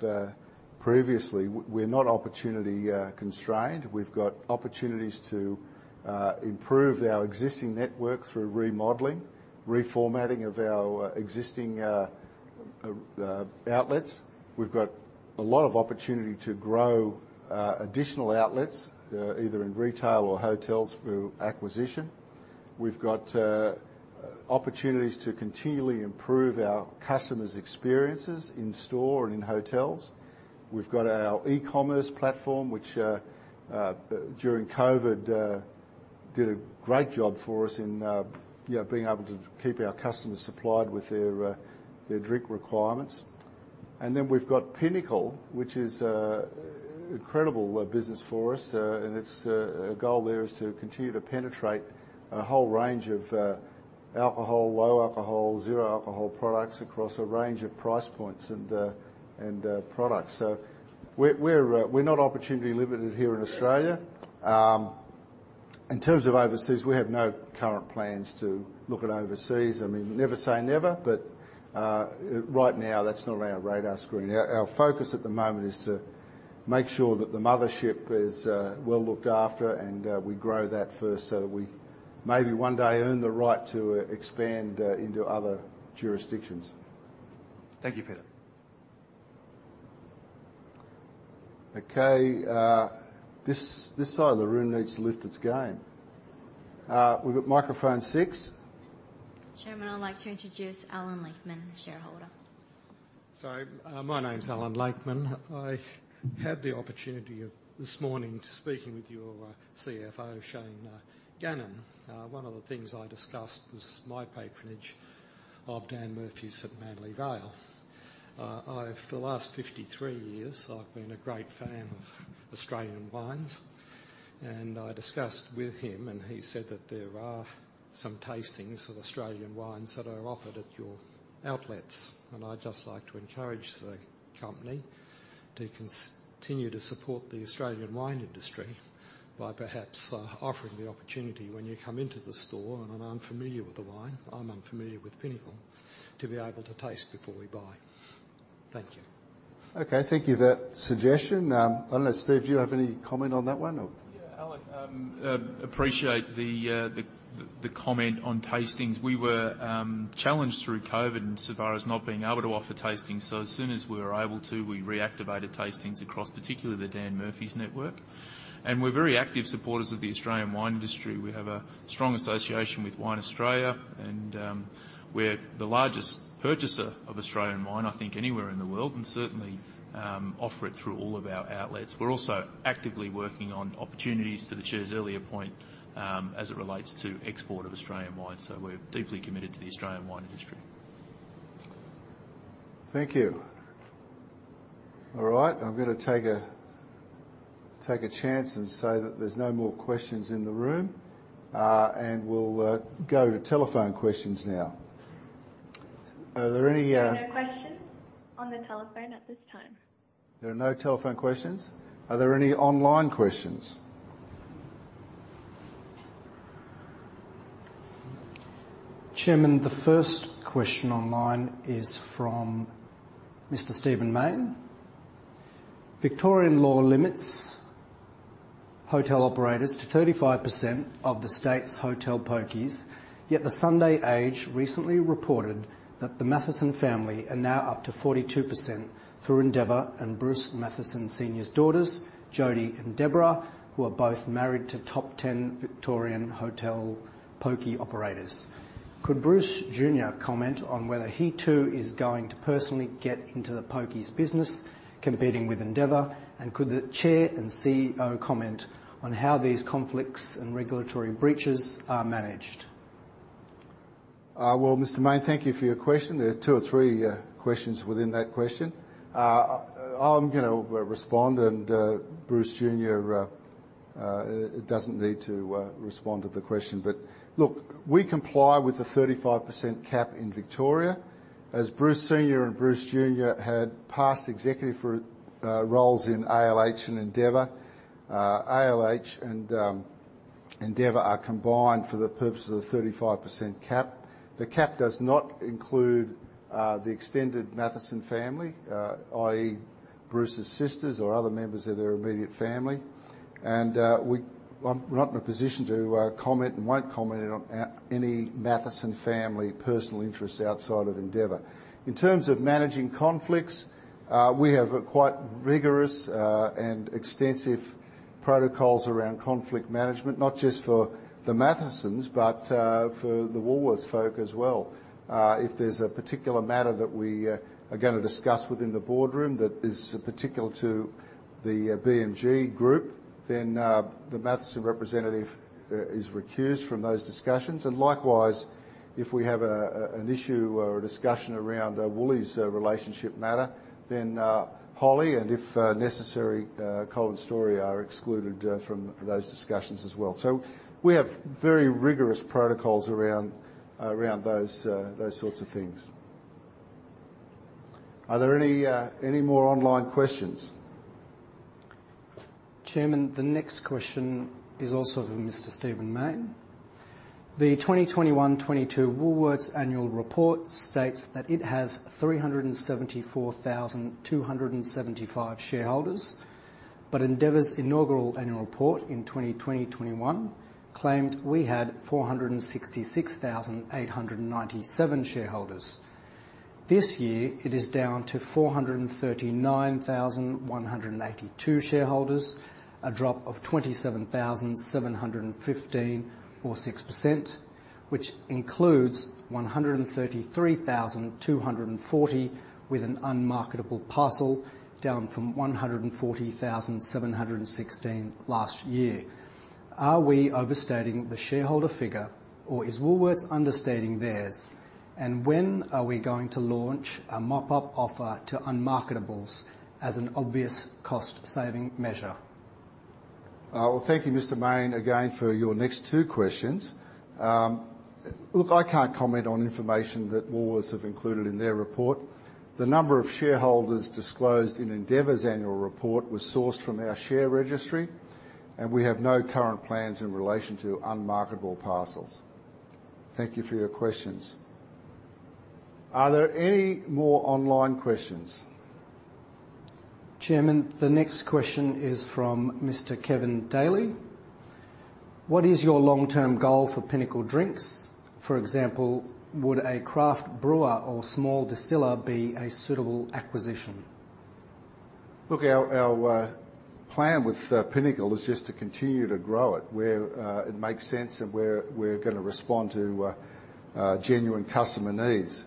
previously. We're not opportunity constrained. We've got opportunities to improve our existing network through remodeling, reformatting of our existing outlets. We've got a lot of opportunity to grow additional outlets either in retail or hotels through acquisition. We've got opportunities to continually improve our customers' experiences in-store and in hotels. We've got our e-commerce platform, which during COVID did a great job for us in you know being able to keep our customers supplied with their drink requirements. We've got Pinnacle, which is incredible business for us. Its goal there is to continue to penetrate a whole range of alcohol, low alcohol, zero alcohol products across a range of price points and products. We're not opportunity limited here in Australia. In terms of overseas, we have no current plans to look at overseas. I mean, never say never, but right now, that's not on our radar screen. Our focus at the moment is to make sure that the mothership is well looked after and we grow that first so that we maybe one day earn the right to expand into other jurisdictions. Thank you, Peter. Okay. This side of the room needs to lift its game. We've got microphone six. Chairman, I'd like to introduce Alan Lakeman, shareholder. Sorry. My name's Alan Lakeman. I had the opportunity of this morning speaking with your CFO, Shane Gannon. One of the things I discussed was my patronage of Dan Murphy's at Manly Vale. I've for the last 53 years been a great fan of Australian wines, and I discussed with him, and he said that there are some tastings of Australian wines that are offered at your outlets. I'd just like to encourage the company to continue to support the Australian wine industry by perhaps offering the opportunity when you come into the store, and I'm unfamiliar with the wine, I'm unfamiliar with Pinnacle, to be able to taste before we buy. Thank you. Okay. Thank you for that suggestion. Unless, Steve, do you have any comment on that one or? Yeah. Alan, appreciate the comment on tastings. We were challenged through COVID and so far as not being able to offer tastings. As soon as we were able to, we reactivated tastings across, particularly the Dan Murphy's network. We're very active supporters of the Australian wine industry. We have a strong association with Wine Australia, and we're the largest purchaser of Australian wine, I think anywhere in the world, and certainly offer it through all of our outlets. We're also actively working on opportunities to the Chair's earlier point, as it relates to export of Australian wine. We're deeply committed to the Australian wine industry. Thank you. All right. I'm gonna take a chance and say that there's no more questions in the room. We'll go to telephone questions now. Are there any? There are no questions on the telephone at this time. There are no telephone questions. Are there any online questions? Chairman, the first question online is from Mr. Stephen Mayne. Victorian law limits hotel operators to 35% of the state's hotel pokies, yet The Sunday Age recently reported that the Mathieson family are now up to 42% through Endeavour and Bruce Mathieson Sr.'s daughters, Jody and Deborah, who are both married to top ten Victorian hotel pokie operators. Could Bruce Junior comment on whether he too is going to personally get into the pokies business competing with Endeavour, and could the Chair and CEO comment on how these conflicts and regulatory breaches are managed? Well, Mr. Mayne, thank you for your question. There are two or three questions within that question. I'm gonna respond and, Bruce Mathieson Jr., doesn't need to respond to the question. Look, we comply with the 35% cap in Victoria. As Bruce Mathieson Senior and Bruce Mathieson Jr. had past executive roles in ALH and Endeavour, ALH and Endeavour are combined for the purposes of the 35% cap. The cap does not include the extended Mathieson family, i.e., Bruce's sisters or other members of their immediate family. I'm not in a position to comment and won't comment on any Mathieson family personal interests outside of Endeavour. In terms of managing conflicts, we have a quite rigorous and extensive protocols around conflict management, not just for the Mathiesons, but for the Woolworths folk as well. If there's a particular matter that we are gonna discuss within the boardroom that is particular to the BMG Group, then the Mathieson representative is recused from those discussions. Likewise, if we have an issue or a discussion around Woolies' relationship matter, then Holly, and if necessary, Colin Storrie, are excluded from those discussions as well. We have very rigorous protocols around those sorts of things. Are there any more online questions? Chairman, the next question is also from Mr. Stephen Mayne. The 2021/2022 Woolworths annual report states that it has 374,275 shareholders, but Endeavour's inaugural annual report in 2020/2021 claimed we had 466,897 shareholders. This year it is down to 439,182 shareholders, a drop of 27,715 or 6%, which includes 133,240 with an unmarketable parcel down from 140,716 last year. Are we overstating the shareholder figure or is Woolworths understating theirs? And when are we going to launch a mop-up offer to unmarketables as an obvious cost saving measure? Well, thank you, Mr. Mayne, again for your next two questions. Look, I can't comment on information that Woolworths have included in their report. The number of shareholders disclosed in Endeavour's annual report was sourced from our share registry, and we have no current plans in relation to unmarketable parcels. Thank you for your questions. Are there any more online questions? Chairman, the next question is from Mr. Kevin Daly. What is your long-term goal for Pinnacle Drinks? For example, would a craft brewer or small distiller be a suitable acquisition? Look, our plan with Pinnacle is just to continue to grow it where it makes sense and where we're gonna respond to genuine customer needs.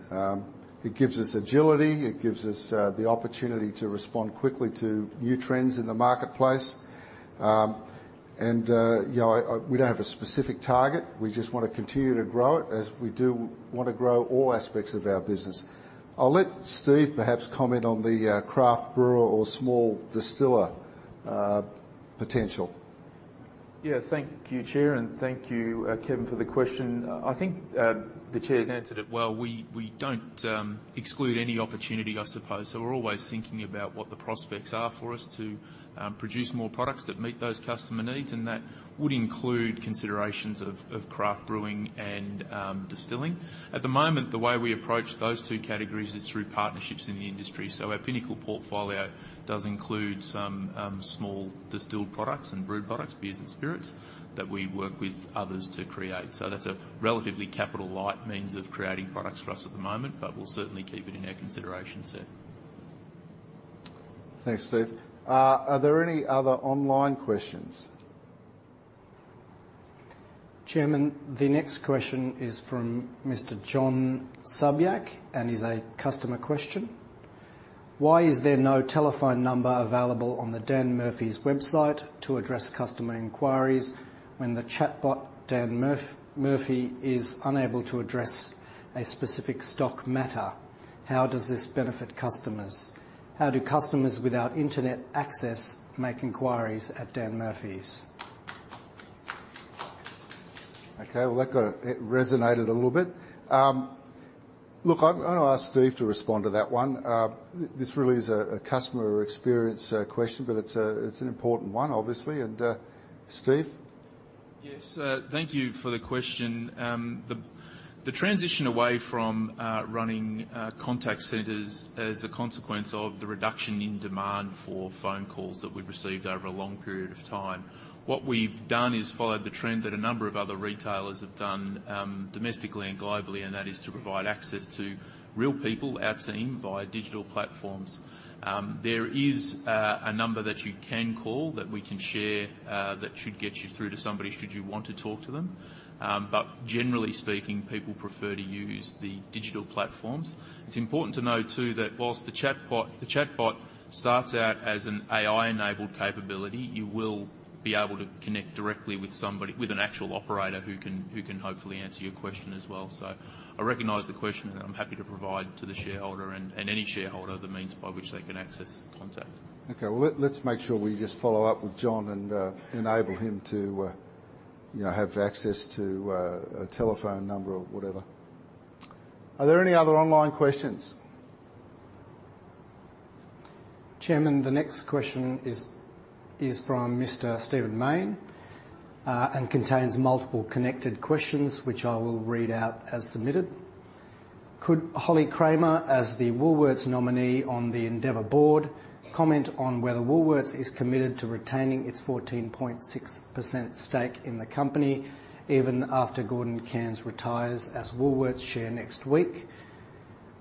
It gives us agility, it gives us the opportunity to respond quickly to new trends in the marketplace. You know, we don't have a specific target. We just wanna continue to grow it as we do wanna grow all aspects of our business. I'll let Steve perhaps comment on the craft brewer or small distiller potential. Yeah. Thank you, Chair, and thank you, Kevin, for the question. I think the Chair's answered it well. We don't exclude any opportunity, I suppose. We're always thinking about what the prospects are for us to produce more products that meet those customer needs, and that would include considerations of craft brewing and distilling. At the moment, the way we approach those two categories is through partnerships in the industry. Our Pinnacle portfolio does include some small distilled products and brewed products, beers and spirits, that we work with others to create. That's a relatively capital light means of creating products for us at the moment, but we'll certainly keep it in our consideration set. Thanks, Steve. Are there any other online questions? Chairman, the next question is from Mr. John Subiac, and is a customer question. Why is there no telephone number available on the Dan Murphy's website to address customer inquiries when the chatbot, Murphy, is unable to address a specific stock matter? How does this benefit customers? How do customers without internet access make inquiries at Dan Murphy's? Okay, well, that resonated a little bit. Look, I'm gonna ask Steve to respond to that one. This really is a customer experience question, but it's an important one, obviously. Steve? Yes. Thank you for the question. The transition away from running contact centers is a consequence of the reduction in demand for phone calls that we've received over a long period of time. What we've done is followed the trend that a number of other retailers have done, domestically and globally, and that is to provide access to real people, our team, via digital platforms. There is a number that you can call that we can share that should get you through to somebody should you want to talk to them. Generally speaking, people prefer to use the digital platforms. It's important to know too, that while the chatbot starts out as an AI-enabled capability, you will be able to connect directly with somebody with an actual operator who can hopefully answer your question as well. I recognize the question, and I'm happy to provide to the shareholder and any shareholder the means by which they can access contact. Okay. Well, let's make sure we just follow up with John and enable him to you know have access to a telephone number or whatever. Are there any other online questions? Chairman, the next question is from Mr. Stephen Mayne and contains multiple connected questions which I will read out as submitted. Could Holly Kramer, as the Woolworths nominee on the Endeavour board, comment on whether Woolworths is committed to retaining its 14.6% stake in the company even after Gordon Cairns retires as Woolworths chair next week?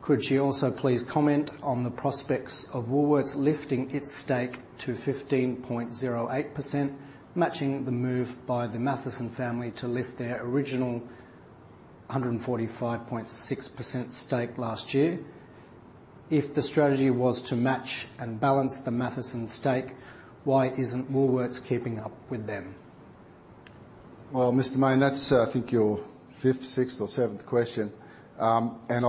Could she also please comment on the prospects of Woolworths lifting its stake to 15.08%, matching the move by the Mathieson family to lift their original 14.56% stake last year? If the strategy was to match and balance the Mathieson stake, why isn't Woolworths keeping up with them? Well, Mr. Mayne, that's, I think your fifth, sixth or seventh question. I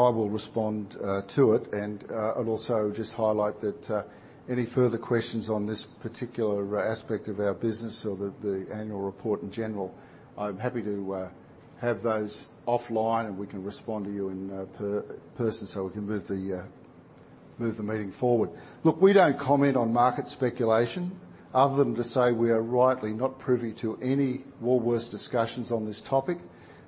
will respond to it. I'll also just highlight that any further questions on this particular aspect of our business or the annual report in general, I'm happy to have those offline and we can respond to you in person, so we can move the meeting forward. Look, we don't comment on market speculation other than to say we are rightly not privy to any Woolworths discussions on this topic.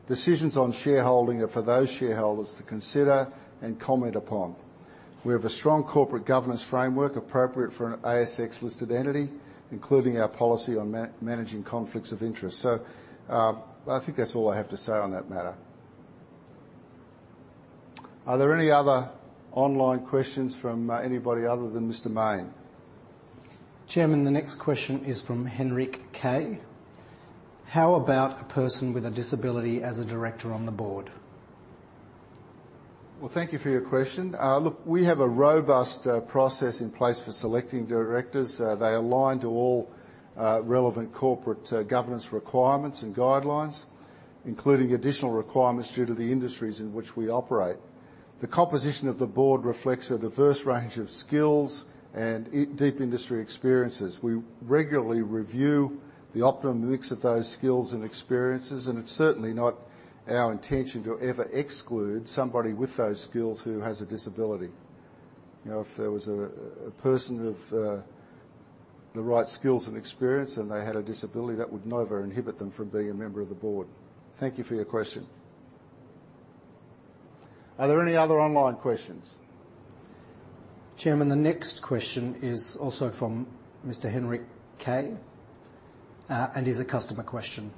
Decisions on shareholding are for those shareholders to consider and comment upon. We have a strong corporate governance framework appropriate for an ASX-listed entity, including our policy on managing conflicts of interest. I think that's all I have to say on that matter. Are there any other online questions from anybody other than Mr. Mayne? Chairman, the next question is from Henrik Kay. How about a person with a disability as a director on the board? Well, thank you for your question. Look, we have a robust process in place for selecting directors. They align to all relevant corporate governance requirements and guidelines, including additional requirements due to the industries in which we operate. The composition of the board reflects a diverse range of skills and deep industry experiences. We regularly review the optimum mix of those skills and experiences, and it's certainly not our intention to ever exclude somebody with those skills who has a disability. You know, if there was a person of the right skills and experience and they had a disability, that would never inhibit them from being a member of the board. Thank you for your question. Are there any other online questions? Chairman, the next question is also from Mr. Henrik Kay, and is a customer question.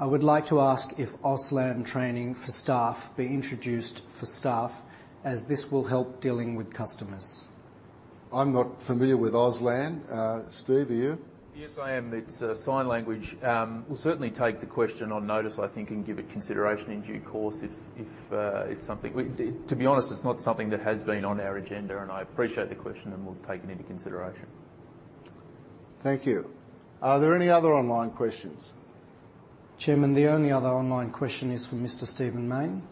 I would like to ask if Auslan training for staff be introduced for staff, as this will help dealing with customers. I'm not familiar with Auslan. Steve, are you? Yes, I am. It's sign language. We'll certainly take the question on notice, I think, and give it consideration in due course if it's something to be honest, it's not something that has been on our agenda, and I appreciate the question, and we'll take it into consideration. Thank you. Are there any other online questions? Chairman, the only other online question is from Mr. Stephen Mayne.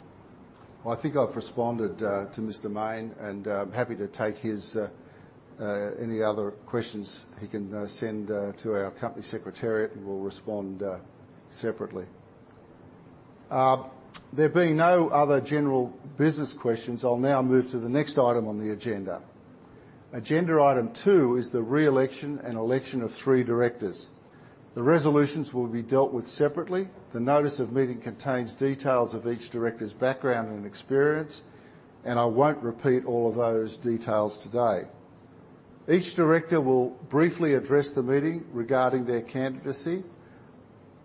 Well, I think I've responded to Mr. Mayne, and I'm happy to take his any other questions he can send to our company secretariat. We will respond separately. There being no other general business questions, I'll now move to the next item on the agenda. Agenda item two is the reelection and election of three directors. The resolutions will be dealt with separately. The notice of meeting contains details of each director's background and experience, and I won't repeat all of those details today. Each director will briefly address the meeting regarding their candidacy.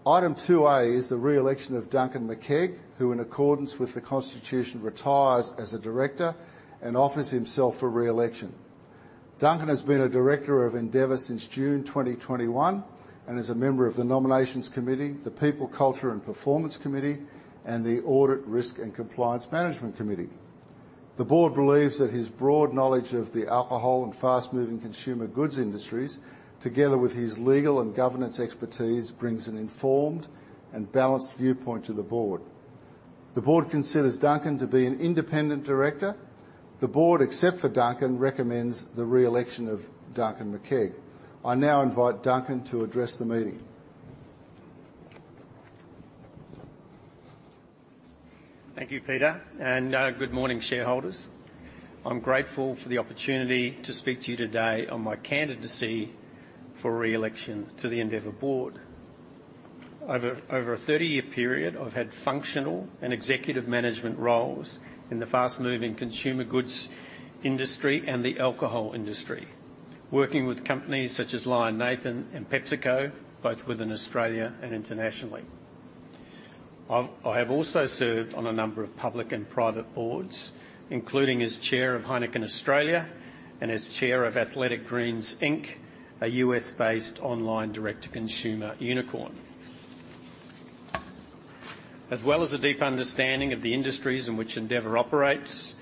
Item two-A is the reelection of Duncan Makeig, who, in accordance with the constitution, retires as a director and offers himself for reelection. Duncan Makeig has been a director of Endeavour since June 2021 and is a member of the Nominations Committee, the People, Culture and Performance Committee, and the Audit, Risk and Compliance Management Committee. The board believes that his broad knowledge of the alcohol and fast-moving consumer goods industries, together with his legal and governance expertise, brings an informed and balanced viewpoint to the board. The board considers Duncan Makeig to be an independent director. The board, except for Duncan Makeig, recommends the re-election of Duncan Makeig. I now invite Duncan Makeig to address the meeting. Thank you, Peter, and good morning, shareholders. I'm grateful for the opportunity to speak to you today on my candidacy for reelection to the Endeavour board. Over a thirty-year period, I've had functional and executive management roles in the fast-moving consumer goods industry and the alcohol industry, working with companies such as Lion Nathan and PepsiCo, both within Australia and internationally. I have also served on a number of public and private boards, including as chair of Heineken Australia and as chair of Athletic Greens Inc., a US-base online direct-to-consumer unicorn. As well as a deep understanding of the industries in which Endeavour operates,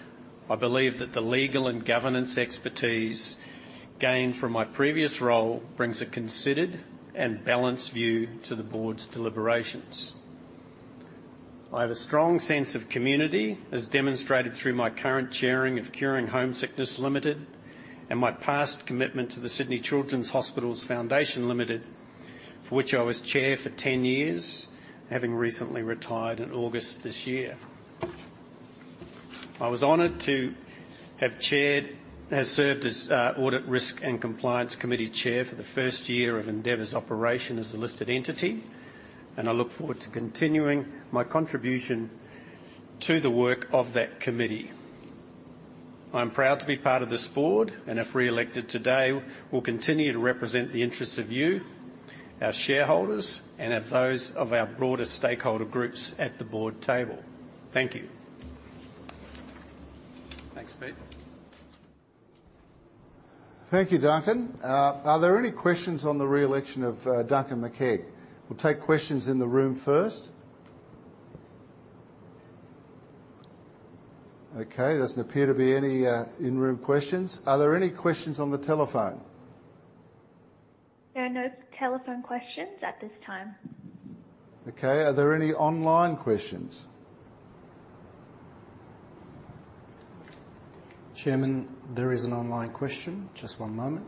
I believe that the legal and governance expertise gained from my previous role brings a considered and balanced view to the board's deliberations. I have a strong sense of community, as demonstrated through my current chairing of Curing Homesickness Limited, and my past commitment to the Sydney Children's Hospitals Foundation Limited, for which I was chair for 10 years, having recently retired in August this year. I was honored to have served as audit risk and compliance committee chair for the first year of Endeavour's operation as a listed entity, and I look forward to continuing my contribution to the work of that committee. I'm proud to be part of this board, and if reelected today, will continue to represent the interests of you, our shareholders, and of those of our broader stakeholder groups at the board table. Thank you. Thanks, Pete. Thank you, Duncan Makeig. Are there any questions on the re-election of Duncan Makeig? We'll take questions in the room first. Okay. Doesn't appear to be any in-room questions. Are there any questions on the telephone? There are no telephone questions at this time. Okay. Are there any online questions? Chairman, there is an online question. Just one moment.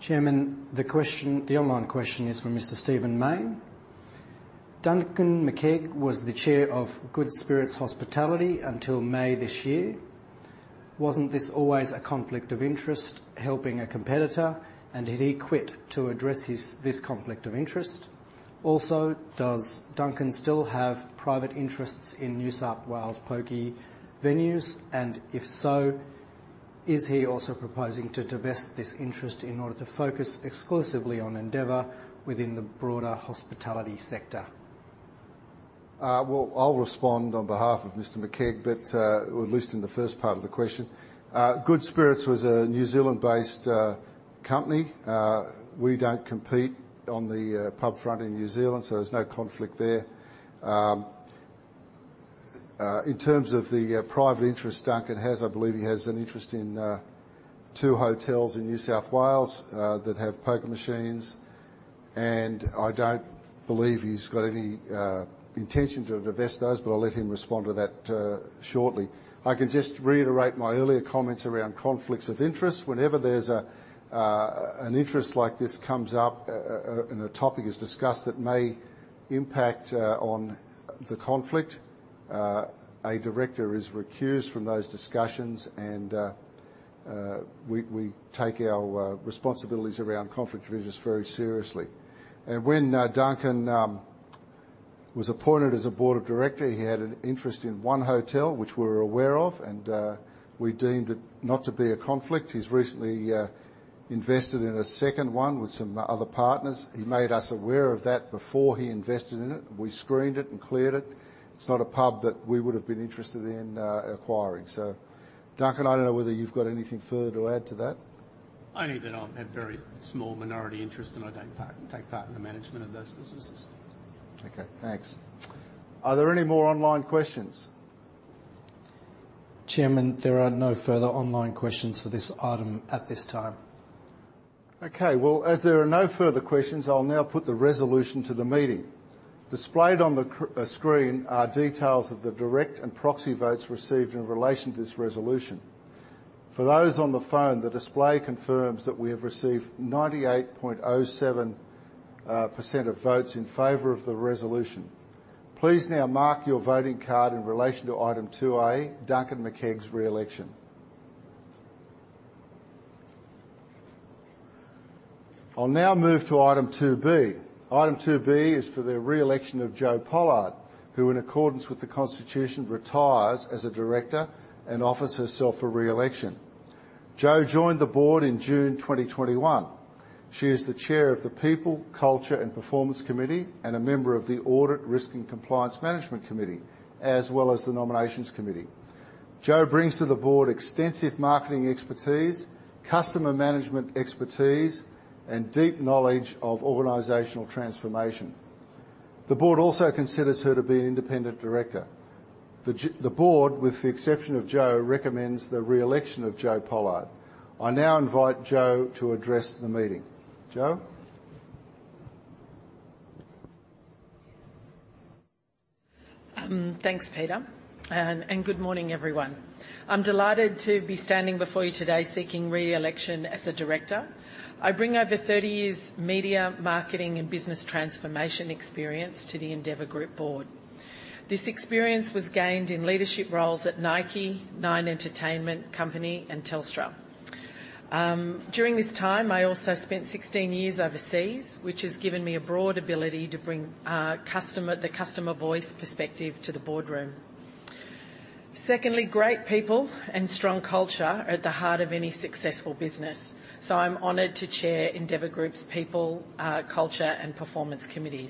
Chairman, the online question is from Mr. Stephen Mayne: Duncan Makeig was the chair of Good Spirits Hospitality until May this year. Wasn't this always a conflict of interest helping a competitor? And did he quit to address this conflict of interest? Also, does Duncan still have private interests in New South Wales pokie venues? And if so, is he also proposing to divest this interest in order to focus exclusively on Endeavour within the broader hospitality sector? Well, I'll respond on behalf of Mr. Makeig, but at least in the first part of the question. Good Spirits was a New Zealand-based company. We don't compete on the pub front in New Zealand, so there's no conflict there. In terms of the private interest Duncan has, I believe he has an interest in two hotels in New South Wales that have poker machines, and I don't believe he's got any intention to divest those, but I'll let him respond to that shortly. I can just reiterate my earlier comments around conflicts of interest. Whenever there's an interest like this comes up, and a topic is discussed that may impact on the conflict, a director is recused from those discussions and, we take our responsibilities around conflict of interest very seriously. When Duncan was appointed as a director, he had an interest in one hotel, which we were aware of, and we deemed it not to be a conflict. He's recently invested in a second one with some other partners. He made us aware of that before he invested in it. We screened it and cleared it. It's not a pub that we would have been interested in acquiring. Duncan, I don't know whether you've got anything further to add to that. Only that I have very small minority interest, and I don't take part in the management of those businesses. Okay. Thanks. Are there any more online questions? Chairman, there are no further online questions for this item at this time. Okay. Well, as there are no further questions, I'll now put the resolution to the meeting. Displayed on the screen are details of the direct and proxy votes received in relation to this resolution. For those on the phone, the display confirms that we have received 98.07% of votes in favor of the resolution. Please now mark your voting card in relation to item 2A, Duncan Makeig's re-election. I'll now move to item 2B. Item 2B is for the re-election of Jo Pollard, who, in accordance with the constitution, retires as a director and offers herself for re-election. Jo joined the board in June 2021. She is the chair of the People, Culture and Performance Committee and a member of the Audit, Risk and Compliance Management Committee, as well as the Nominations Committee. Jo brings to the board extensive marketing expertise, customer management expertise, and deep knowledge of organizational transformation. The board also considers her to be an independent director. The board, with the exception of Jo, recommends the re-election of Jo Pollard. I now invite Jo to address the meeting. Jo? Thanks, Peter. Good morning, everyone. I'm delighted to be standing before you today seeking re-election as a director. I bring over 30 years media, marketing and business transformation experience to the Endeavour Group board. This experience was gained in leadership roles at Nike, Nine Entertainment Company and Telstra. During this time, I also spent 16 years overseas, which has given me a broad ability to bring the customer voice perspective to the boardroom. Secondly, great people and strong culture are at the heart of any successful business, so I'm honored to chair Endeavour Group's People, Culture and Performance Committee.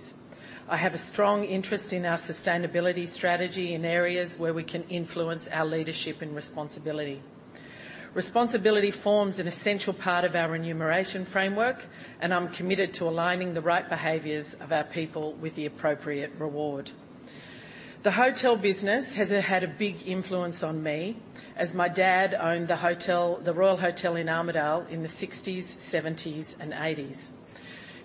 I have a strong interest in our sustainability strategy in areas where we can influence our leadership and responsibility. Responsibility forms an essential part of our remuneration framework, and I'm committed to aligning the right behaviors of our people with the appropriate reward. The hotel business has had a big influence on me, as my dad owned the hotel, The Royal Hotel in Armidale in the sixties, seventies and eighties.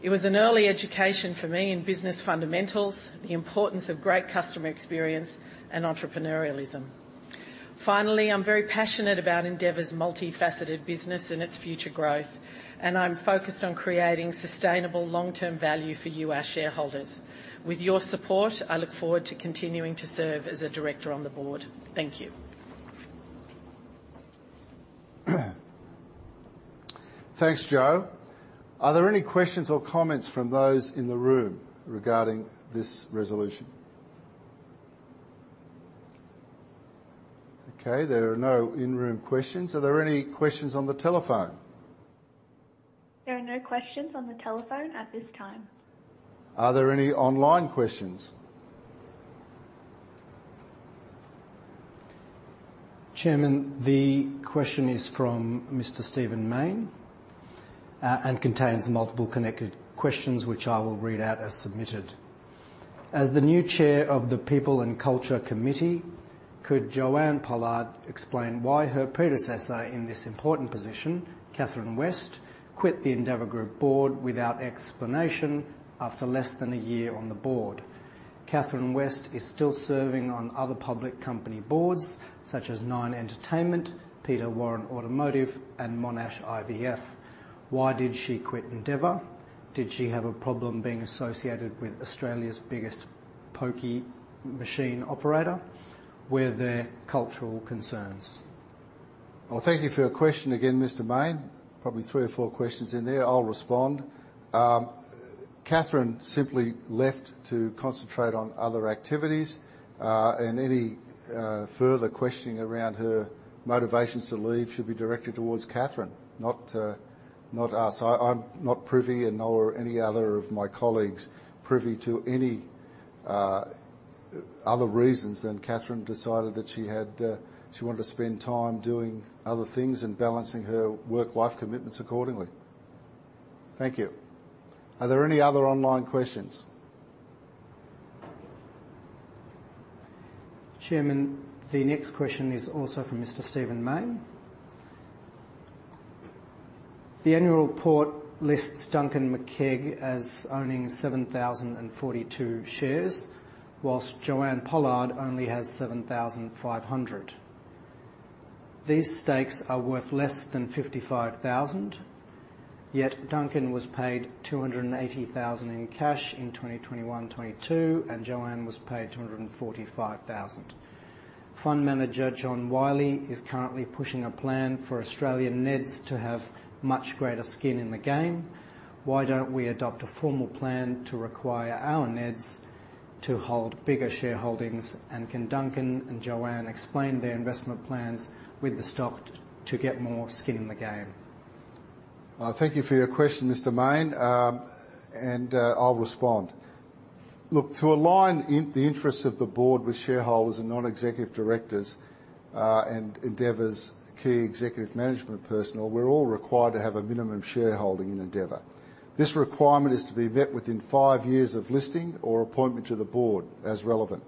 It was an early education for me in business fundamentals, the importance of great customer experience and entrepreneurialism. Finally, I'm very passionate about Endeavour's multifaceted business and its future growth, and I'm focused on creating sustainable long-term value for you, our shareholders. With your support, I look forward to continuing to serve as a director on the board. Thank you. Thanks, Jo. Are there any questions or comments from those in the room regarding this resolution? Okay, there are no in-room questions. Are there any questions on the telephone? There are no questions on the telephone at this time. Are there any online questions? Chairman, the question is from Mr. Stephen Mayne. Contains multiple connected questions which I will read out as submitted. As the new chair of the People and Culture Committee, could Joanne Pollard explain why her predecessor in this important position, Catherine West, quit the Endeavour Group board without explanation after less than a year on the board? Catherine West is still serving on other public company boards such as Nine Entertainment, Peter Warren Automotive and Monash IVF. Why did she quit Endeavour? Did she have a problem being associated with Australia's biggest pokie machine operator? Were there cultural concerns? Well, thank you for your question again, Mr. Mayne. Probably three or four questions in there. I'll respond. Catherine simply left to concentrate on other activities. Any further questioning around her motivations to leave should be directed towards Catherine, not us. I'm not privy, and nor are any other of my colleagues privy to any other reasons than Catherine decided that she had she wanted to spend time doing other things and balancing her work-life commitments accordingly. Thank you. Are there any other online questions? Chairman, the next question is also from Mr. Stephen Mayne. The annual report lists Duncan Makeig as owning 7,042 shares, while Joanne Pollard only has 7,500. These stakes are worth less than 55,000. Yet Duncan was paid 280,000 in cash in 2021, 2022, and Joanne was paid 245,000. Fund manager John Wylie is currently pushing a plan for Australian NEDs to have much greater skin in the game. Why don't we adopt a formal plan to require our NEDs to hold bigger shareholdings? Can Duncan and Joanne explain their investment plans with the stock to get more skin in the game? Thank you for your question, Mr. Mayne. I'll respond. Look, to align in the interests of the board with shareholders and non-executive directors, and Endeavour's key executive management personnel, we're all required to have a minimum shareholding in Endeavour. This requirement is to be met within five years of listing or appointment to the board as relevant.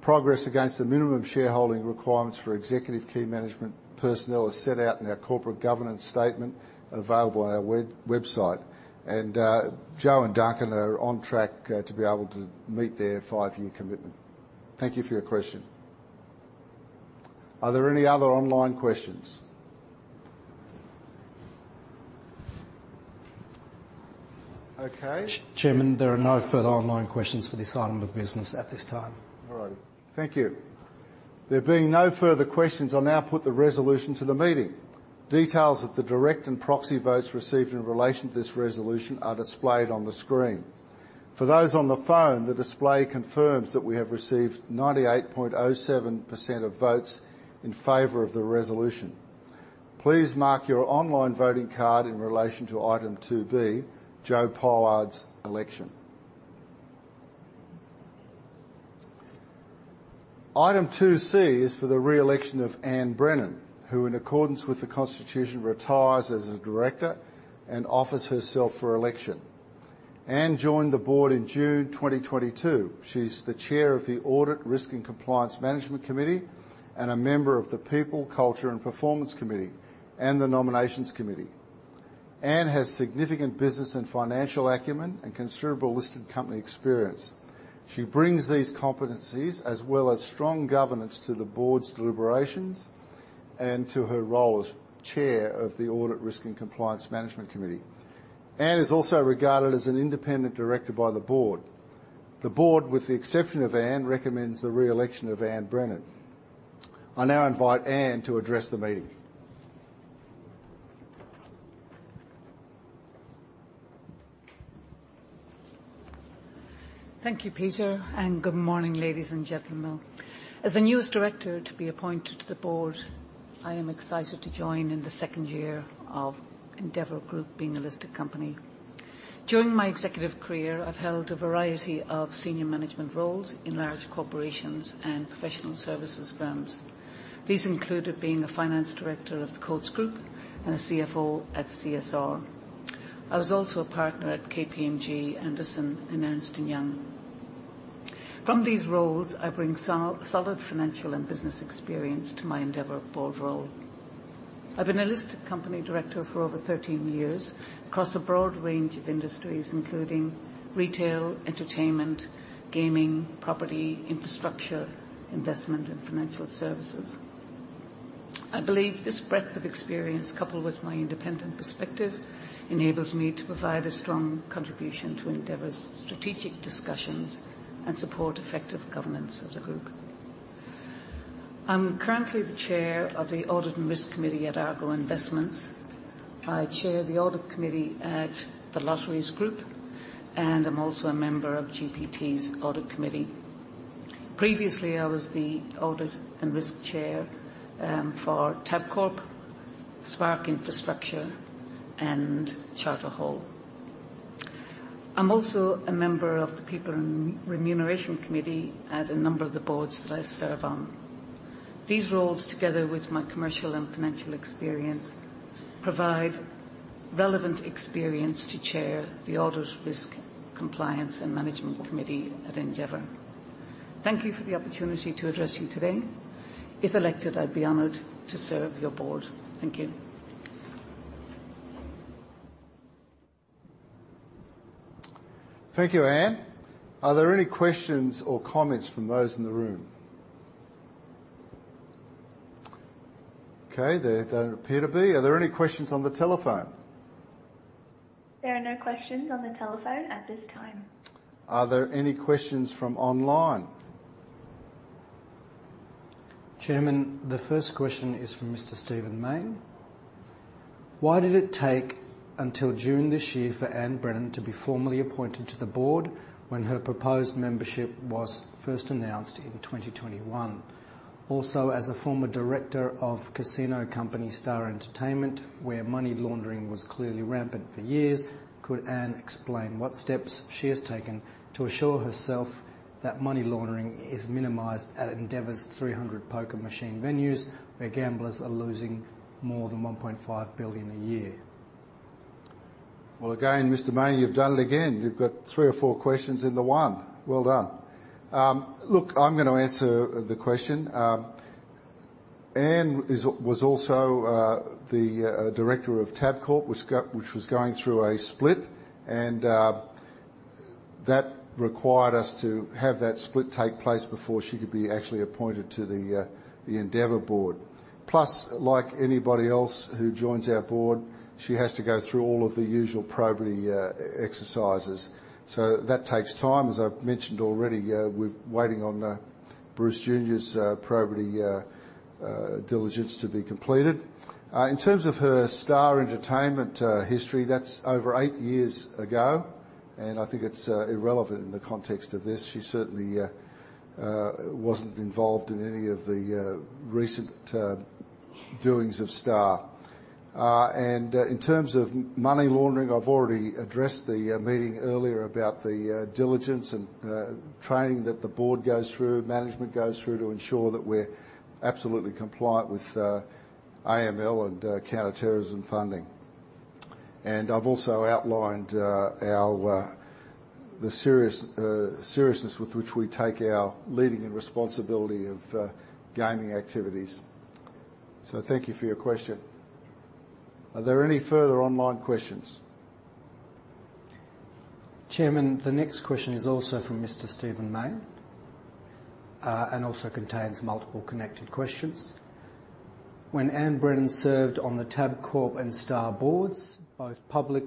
Progress against the minimum shareholding requirements for executive key management personnel is set out in our corporate governance statement available on our website. Jo and Duncan are on track to be able to meet their five-year commitment. Thank you for your question. Are there any other online questions? Okay. Chairman, there are no further online questions for this item of business at this time. All right. Thank you. There being no further questions, I'll now put the resolution to the meeting. Details of the direct and proxy votes received in relation to this resolution are displayed on the screen. For those on the phone, the display confirms that we have received 98.07% of votes in favor of the resolution. Please mark your online voting card in relation to item 2B, Jo Pollard's election. Item 2C is for the re-election of Anne Brennan, who, in accordance with the Constitution, retires as a director and offers herself for election. Anne joined the board in June 2022. She's the chair of the Audit, Risk and Compliance Management Committee and a member of the People, Culture and Performance Committee and the Nominations Committee. Anne has significant business and financial acumen and considerable listed company experience. She brings these competencies as well as strong governance to the board's deliberations and to her role as Chair of the Audit, Risk and Compliance Management Committee. Anne is also regarded as an independent director by the board. The board, with the exception of Anne, recommends the re-election of Anne Brennan. I now invite Anne to address the meeting. Thank you, Peter, and good morning, ladies and gentlemen. As the newest director to be appointed to the board, I am excited to join in the second year of Endeavour Group being a listed company. During my executive career, I've held a variety of senior management roles in large corporations and professional services firms. These included being a finance director of the Coats Group and a CFO at CSR. I was also a partner at KPMG, Arthur Andersen, and Ernst & Young. From these roles, I bring solid financial and business experience to my Endeavour board role. I've been a listed company director for over 13 years across a broad range of industries, including retail, entertainment, gaming, property, infrastructure, investment, and financial services. I believe this breadth of experience, coupled with my independent perspective, enables me to provide a strong contribution to Endeavour's strategic discussions and support effective governance of the group. I'm currently the chair of the Audit and Risk Committee at Argo Investments Limited. I chair the audit committee at The Lottery Corporation, and I'm also a member of GPT Group's audit committee. Previously, I was the audit and risk chair for Tabcorp Holdings Limited, Spark Infrastructure, and Charter Hall. I'm also a member of the People and Remuneration Committee at a number of the boards that I serve on. These roles, together with my commercial and financial experience, provide relevant experience to chair the Audit, Risk and Compliance Management Committee at Endeavour Group. Thank you for the opportunity to address you today. If elected, I'd be honored to serve your board. Thank you. Thank you, Anne. Are there any questions or comments from those in the room? Okay. There don't appear to be. Are there any questions on the telephone? There are no questions on the telephone at this time. Are there any questions from online? Chairman, the first question is from Mr. Stephen Mayne: Why did it take until June this year for Anne Brennan to be formally appointed to the board when her proposed membership was first announced in 2021? Also, as a former director of casino company Star Entertainment, where money laundering was clearly rampant for years, could Anne explain what steps she has taken to assure herself that money laundering is minimized at Endeavour's 300 poker machine venues, where gamblers are losing more than 1.5 billion a year? Well, again, Mr. Mayne, you've done it again. You've got three or four questions into one. Well done. Look, I'm gonna answer the question. Anne was also the director of Tabcorp, which was going through a split, and that required us to have that split take place before she could be actually appointed to the Endeavour board. Plus, like anybody else who joins our board, she has to go through all of the usual probity exercises, so that takes time. As I've mentioned already, we're waiting on Bruce Jr.'s probity diligence to be completed. In terms of her Star Entertainment history, that's over eight years ago, and I think it's irrelevant in the context of this. She certainly wasn't involved in any of the recent doings of Star. In terms of money laundering, I've already addressed the meeting earlier about the diligence and training that the board goes through, management goes through to ensure that we're absolutely compliant with AML and counter-terrorism financing. I've also outlined the seriousness with which we take our legal responsibility for gaming activities. Thank you for your question. Are there any further online questions? Chairman, the next question is also from Mr. Stephen Mayne, and also contains multiple connected questions: When Anne Brennan served on the Tabcorp and Star boards, both public,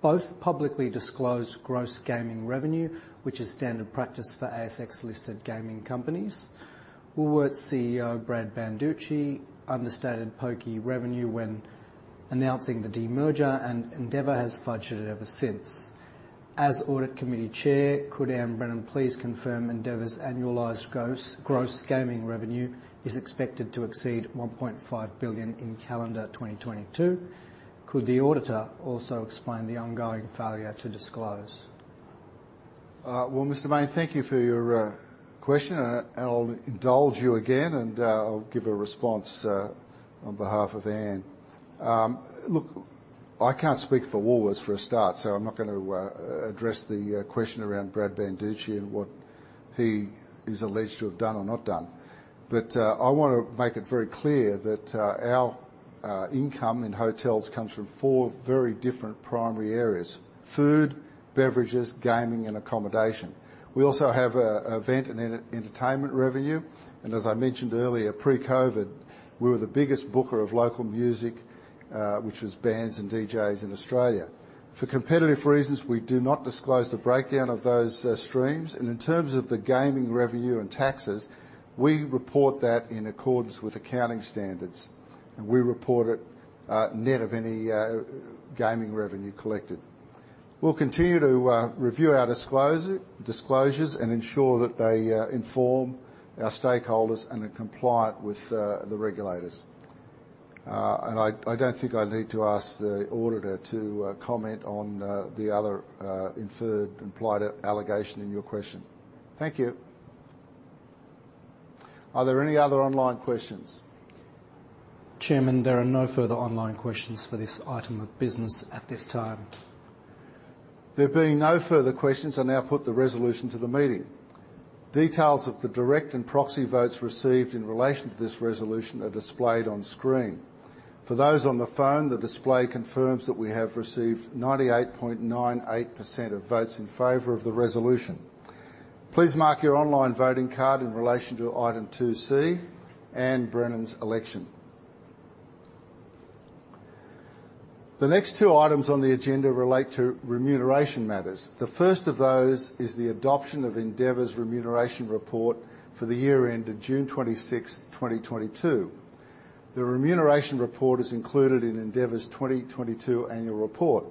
both publicly disclosed gross gaming revenue, which is standard practice for ASX-listed gaming companies. Woolworths CEO, Brad Banducci, understated pokie revenue when announcing the demerger, and Endeavour has fudged it ever since. As audit committee chair, could Anne Brennan please confirm Endeavour's annualized gross gaming revenue is expected to exceed 1.5 billion in calendar 2022? Could the auditor also explain the ongoing failure to disclose? Well, Mr. Mayne, thank you for your question, and I'll indulge you again, and I'll give a response on behalf of Anne. Look, I can't speak for Woolworths for a start, so I'm not gonna address the question around Brad Banducci and what he is alleged to have done or not done. I wanna make it very clear that our income in hotels comes from four very different primary areas, food, beverages, gaming, and accommodation. We also have an event and entertainment revenue, and as I mentioned earlier, pre-COVID, we were the biggest booker of local music, which was bands and DJs in Australia. For competitive reasons, we do not disclose the breakdown of those, streams, and in terms of the gaming revenue and taxes, we report that in accordance with accounting standards, and we report it, net of any, gaming revenue collected. We'll continue to review our disclosures and ensure that they, inform our stakeholders and are compliant with, the regulators. I don't think I need to ask the auditor to comment on the other, implied allegation in your question. Thank you. Are there any other online questions? Chairman, there are no further online questions for this item of business at this time. There being no further questions, I now put the resolution to the meeting. Details of the direct and proxy votes received in relation to this resolution are displayed on screen. For those on the phone, the display confirms that we have received 98.98% of votes in favor of the resolution. Please mark your online voting card in relation to item 2C and Anne Brennan's election. The next two items on the agenda relate to remuneration matters. The first of those is the adoption of Endeavour's Remuneration Report for the year ended June 26th, 2022. The Remuneration Report is included in Endeavour's 2022 Annual Report.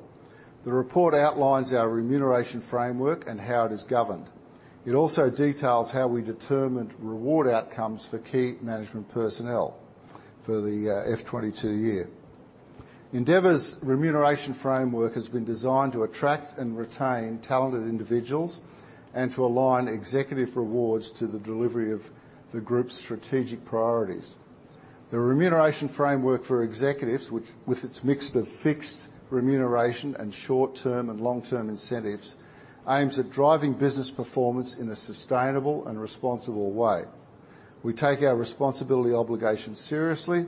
The report outlines our remuneration framework and how it is governed. It also details how we determined reward outcomes for key management personnel for the FY 2022 year. Endeavour's remuneration framework has been designed to attract and retain talented individuals and to align executive rewards to the delivery of the group's strategic priorities. The remuneration framework for executives, which with its mix of fixed remuneration and short-term and long-term incentives, aims at driving business performance in a sustainable and responsible way. We take our responsibility obligations seriously.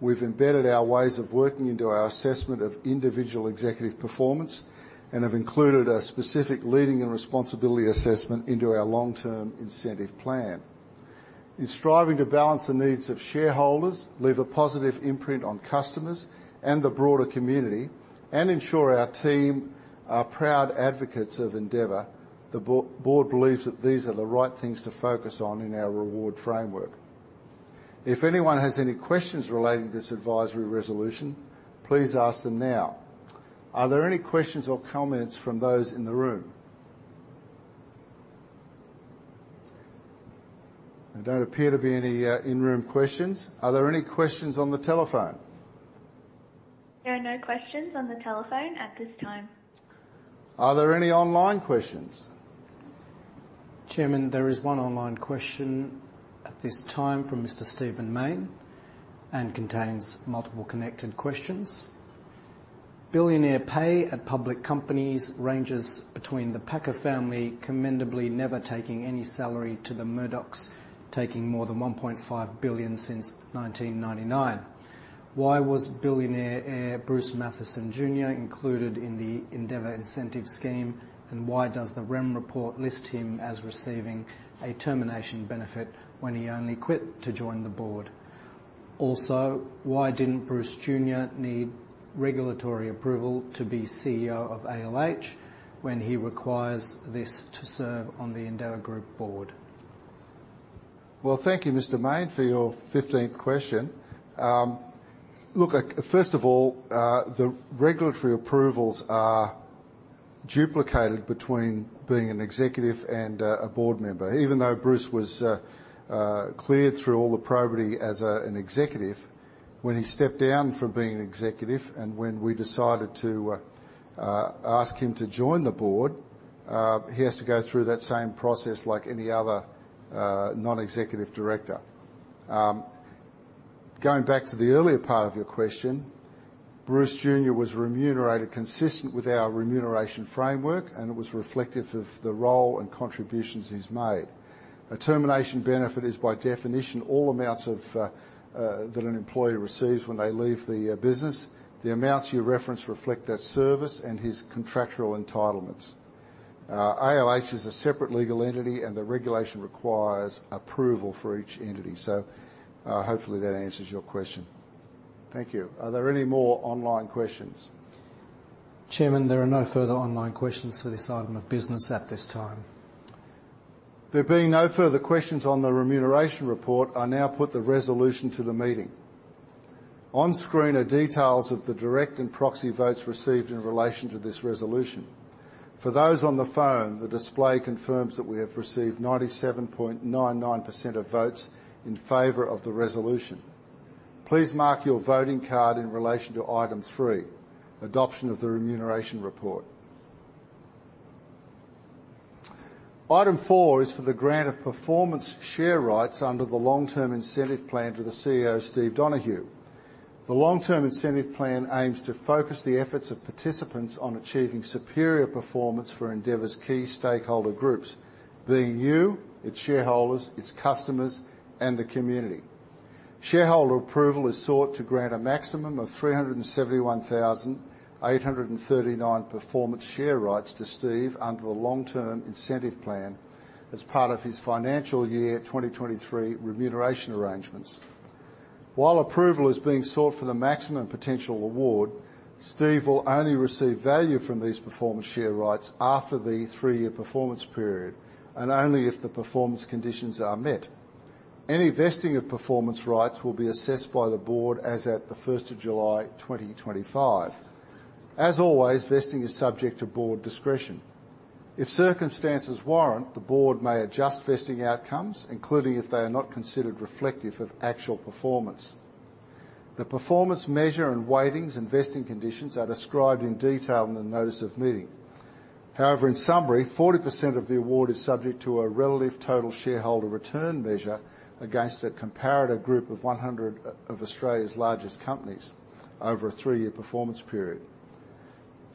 We've embedded our ways of working into our assessment of individual executive performance and have included a specific leading and responsibility assessment into our long-term incentive plan. In striving to balance the needs of shareholders, leave a positive imprint on customers and the broader community, and ensure our team are proud advocates of Endeavour, the board believes that these are the right things to focus on in our reward framework. If anyone has any questions relating to this advisory resolution, please ask them now. Are there any questions or comments from those in the room? There don't appear to be any, in-room questions. Are there any questions on the telephone? There are no questions on the telephone at this time. Are there any online questions? Chairman, there is one online question at this time from Mr. Stephen Mayne and contains multiple connected questions. Billionaire pay at public companies ranges between the Packer family commendably never taking any salary, to the Murdochs taking more than 1.5 billion since 1999. Why was billionaire heir Bruce Mathieson Jr. included in the Endeavour incentive scheme, and why does the REM report list him as receiving a termination benefit when he only quit to join the board? Also, why didn't Bruce Jr. need regulatory approval to be CEO of ALH when he requires this to serve on the Endeavour Group board? Well, thank you, Mr. Mayne, for your fifteenth question. Look, first of all, the regulatory approvals are duplicated between being an executive and a board member. Even though Bruce Mathieson Jr. was cleared through all the probity as an executive, when he stepped down from being an executive and when we decided to ask him to join the board, he has to go through that same process like any other non-executive director. Going back to the earlier part of your question, Bruce Mathieson Jr. was remunerated consistent with our remuneration framework, and it was reflective of the role and contributions he's made. A termination benefit is, by definition, all amounts that an employee receives when they leave the business. The amounts you reference reflect that service and his contractual entitlements. ALH is a separate legal entity, and the regulation requires approval for each entity. Hopefully, that answers your question. Thank you. Are there any more online questions? Chairman, there are no further online questions for this item of business at this time. There being no further questions on the Remuneration Report, I now put the resolution to the meeting. On screen are details of the direct and proxy votes received in relation to this resolution. For those on the phone, the display confirms that we have received 97.99% of votes in favor of the resolution. Please mark your voting card in relation to item three, Adoption of the Remuneration Report. Item four is for the grant of performance share rights under the Long Term Incentive Plan to the CEO, Steve Donohue. The Long Term Incentive Plan aims to focus the efforts of participants on achieving superior performance for Endeavour's key stakeholder groups, being you, its shareholders, its customers, and the community. Shareholder approval is sought to grant a maximum of 371,839 performance share rights to Steve under the Long Term Incentive Plan as part of his financial year 2023 remuneration arrangements. While approval is being sought for the maximum potential award, Steve will only receive value from these performance share rights after the three-year performance period and only if the performance conditions are met. Any vesting of performance rights will be assessed by the board as at July 1st, 2025. As always, vesting is subject to board discretion. If circumstances warrant, the board may adjust vesting outcomes, including if they are not considered reflective of actual performance. The performance measure and weightings and vesting conditions are described in detail in the notice of meeting. However, in summary, 40% of the award is subject to a relative total shareholder return measure against a comparator group of 100 of Australia's largest companies over a three-year performance period.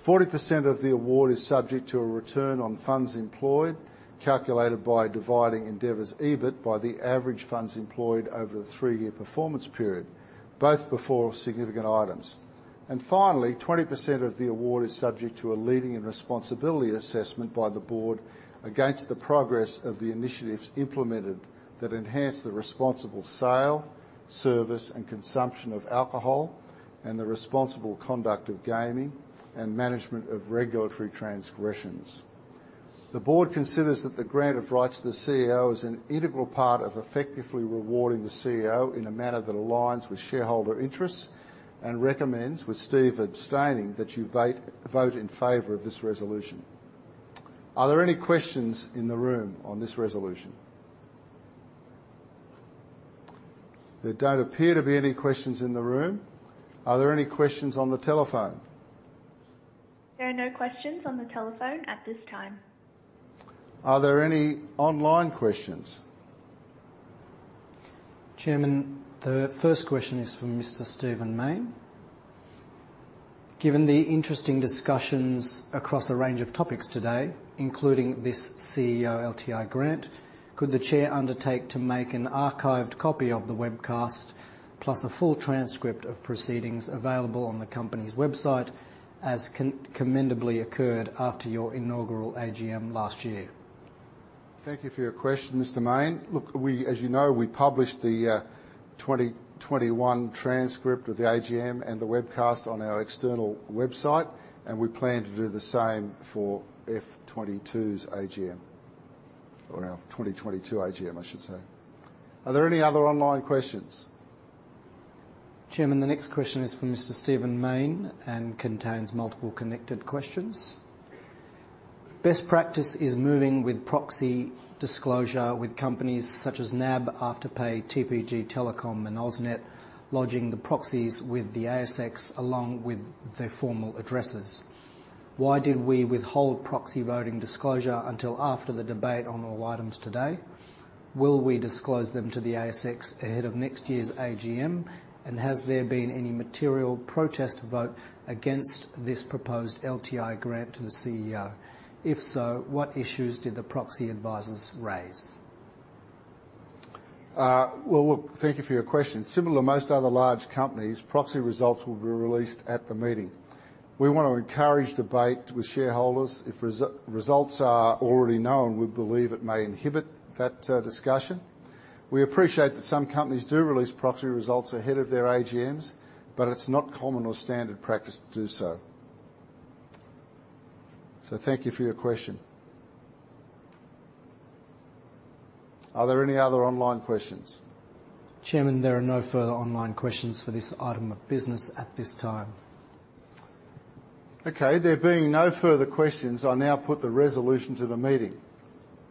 40% of the award is subject to a return on funds employed, calculated by dividing Endeavour's EBIT by the average funds employed over the three-year performance period, both before significant items. Finally, 20% of the award is subject to a leading and responsibility assessment by the board against the progress of the initiatives implemented that enhance the responsible sale, service, and consumption of alcohol and the responsible conduct of gaming and management of regulatory transgressions. The board considers that the grant of rights to the CEO is an integral part of effectively rewarding the CEO in a manner that aligns with shareholder interests and recommends, with Steve abstaining, that you vote in favor of this resolution. Are there any questions in the room on this resolution? There don't appear to be any questions in the room. Are there any questions on the telephone? There are no questions on the telephone at this time. Are there any online questions? Chairman, the first question is from Mr. Stephen Mayne. Given the interesting discussions across a range of topics today, including this CEO LTI grant, could the Chair undertake to make an archived copy of the webcast plus a full transcript of proceedings available on the company's website as commendably occurred after your inaugural AGM last year? Thank you for your question, Mr. Mayne. Look, as you know, we published the 2021 transcript of the AGM and the webcast on our external website, and we plan to do the same for FY 2022's AGM, or our 2022 AGM, I should say. Are there any other online questions? Chairman, the next question is from Mr. Stephen Mayne and contains multiple connected questions. Best practice is moving with proxy disclosure with companies such as NAB, Afterpay, TPG Telecom and AusNet lodging the proxies with the ASX along with their formal addresses. Why did we withhold proxy voting disclosure until after the debate on all items today? Will we disclose them to the ASX ahead of next year's AGM? Has there been any material protest vote against this proposed LTI grant to the CEO? If so, what issues did the proxy advisors raise? Well, look, thank you for your question. Similar to most other large companies, proxy results will be released at the meeting. We wanna encourage debate with shareholders. If results are already known, we believe it may inhibit that discussion. We appreciate that some companies do release proxy results ahead of their AGMs, but it's not common or standard practice to do so. Thank you for your question. Are there any other online questions? Chairman, there are no further online questions for this item of business at this time. Okay. There being no further questions, I now put the resolution to the meeting.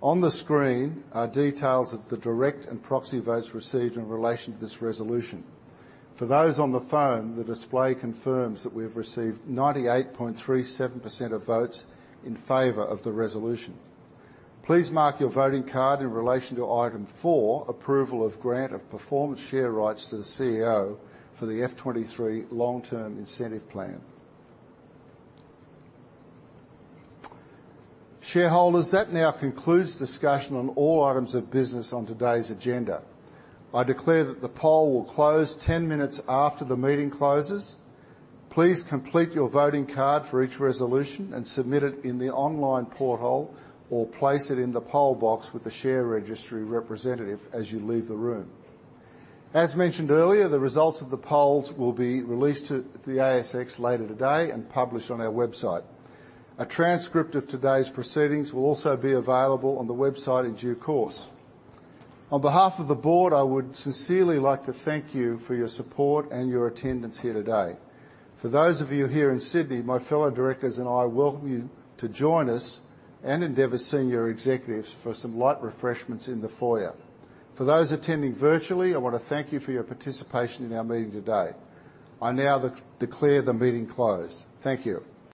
On the screen are details of the direct and proxy votes received in relation to this resolution. For those on the phone, the display confirms that we have received 98.37% of votes in favor of the resolution. Please mark your voting card in relation to item four, approval of grant of performance share rights to the CEO for the FY 23 Long-Term Incentive Plan. Shareholders, that now concludes discussion on all items of business on today's agenda. I declare that the poll will close 10 minutes after the meeting closes. Please complete your voting card for each resolution and submit it in the online portal or place it in the poll box with the share registry representative as you leave the room. As mentioned earlier, the results of the polls will be released to the ASX later today and published on our website. A transcript of today's proceedings will also be available on the website in due course. On behalf of the board, I would sincerely like to thank you for your support and your attendance here today. For those of you here in Sydney, my fellow directors and I welcome you to join us and Endeavour senior executives for some light refreshments in the foyer. For those attending virtually, I wanna thank you for your participation in our meeting today. I now declare the meeting closed. Thank you.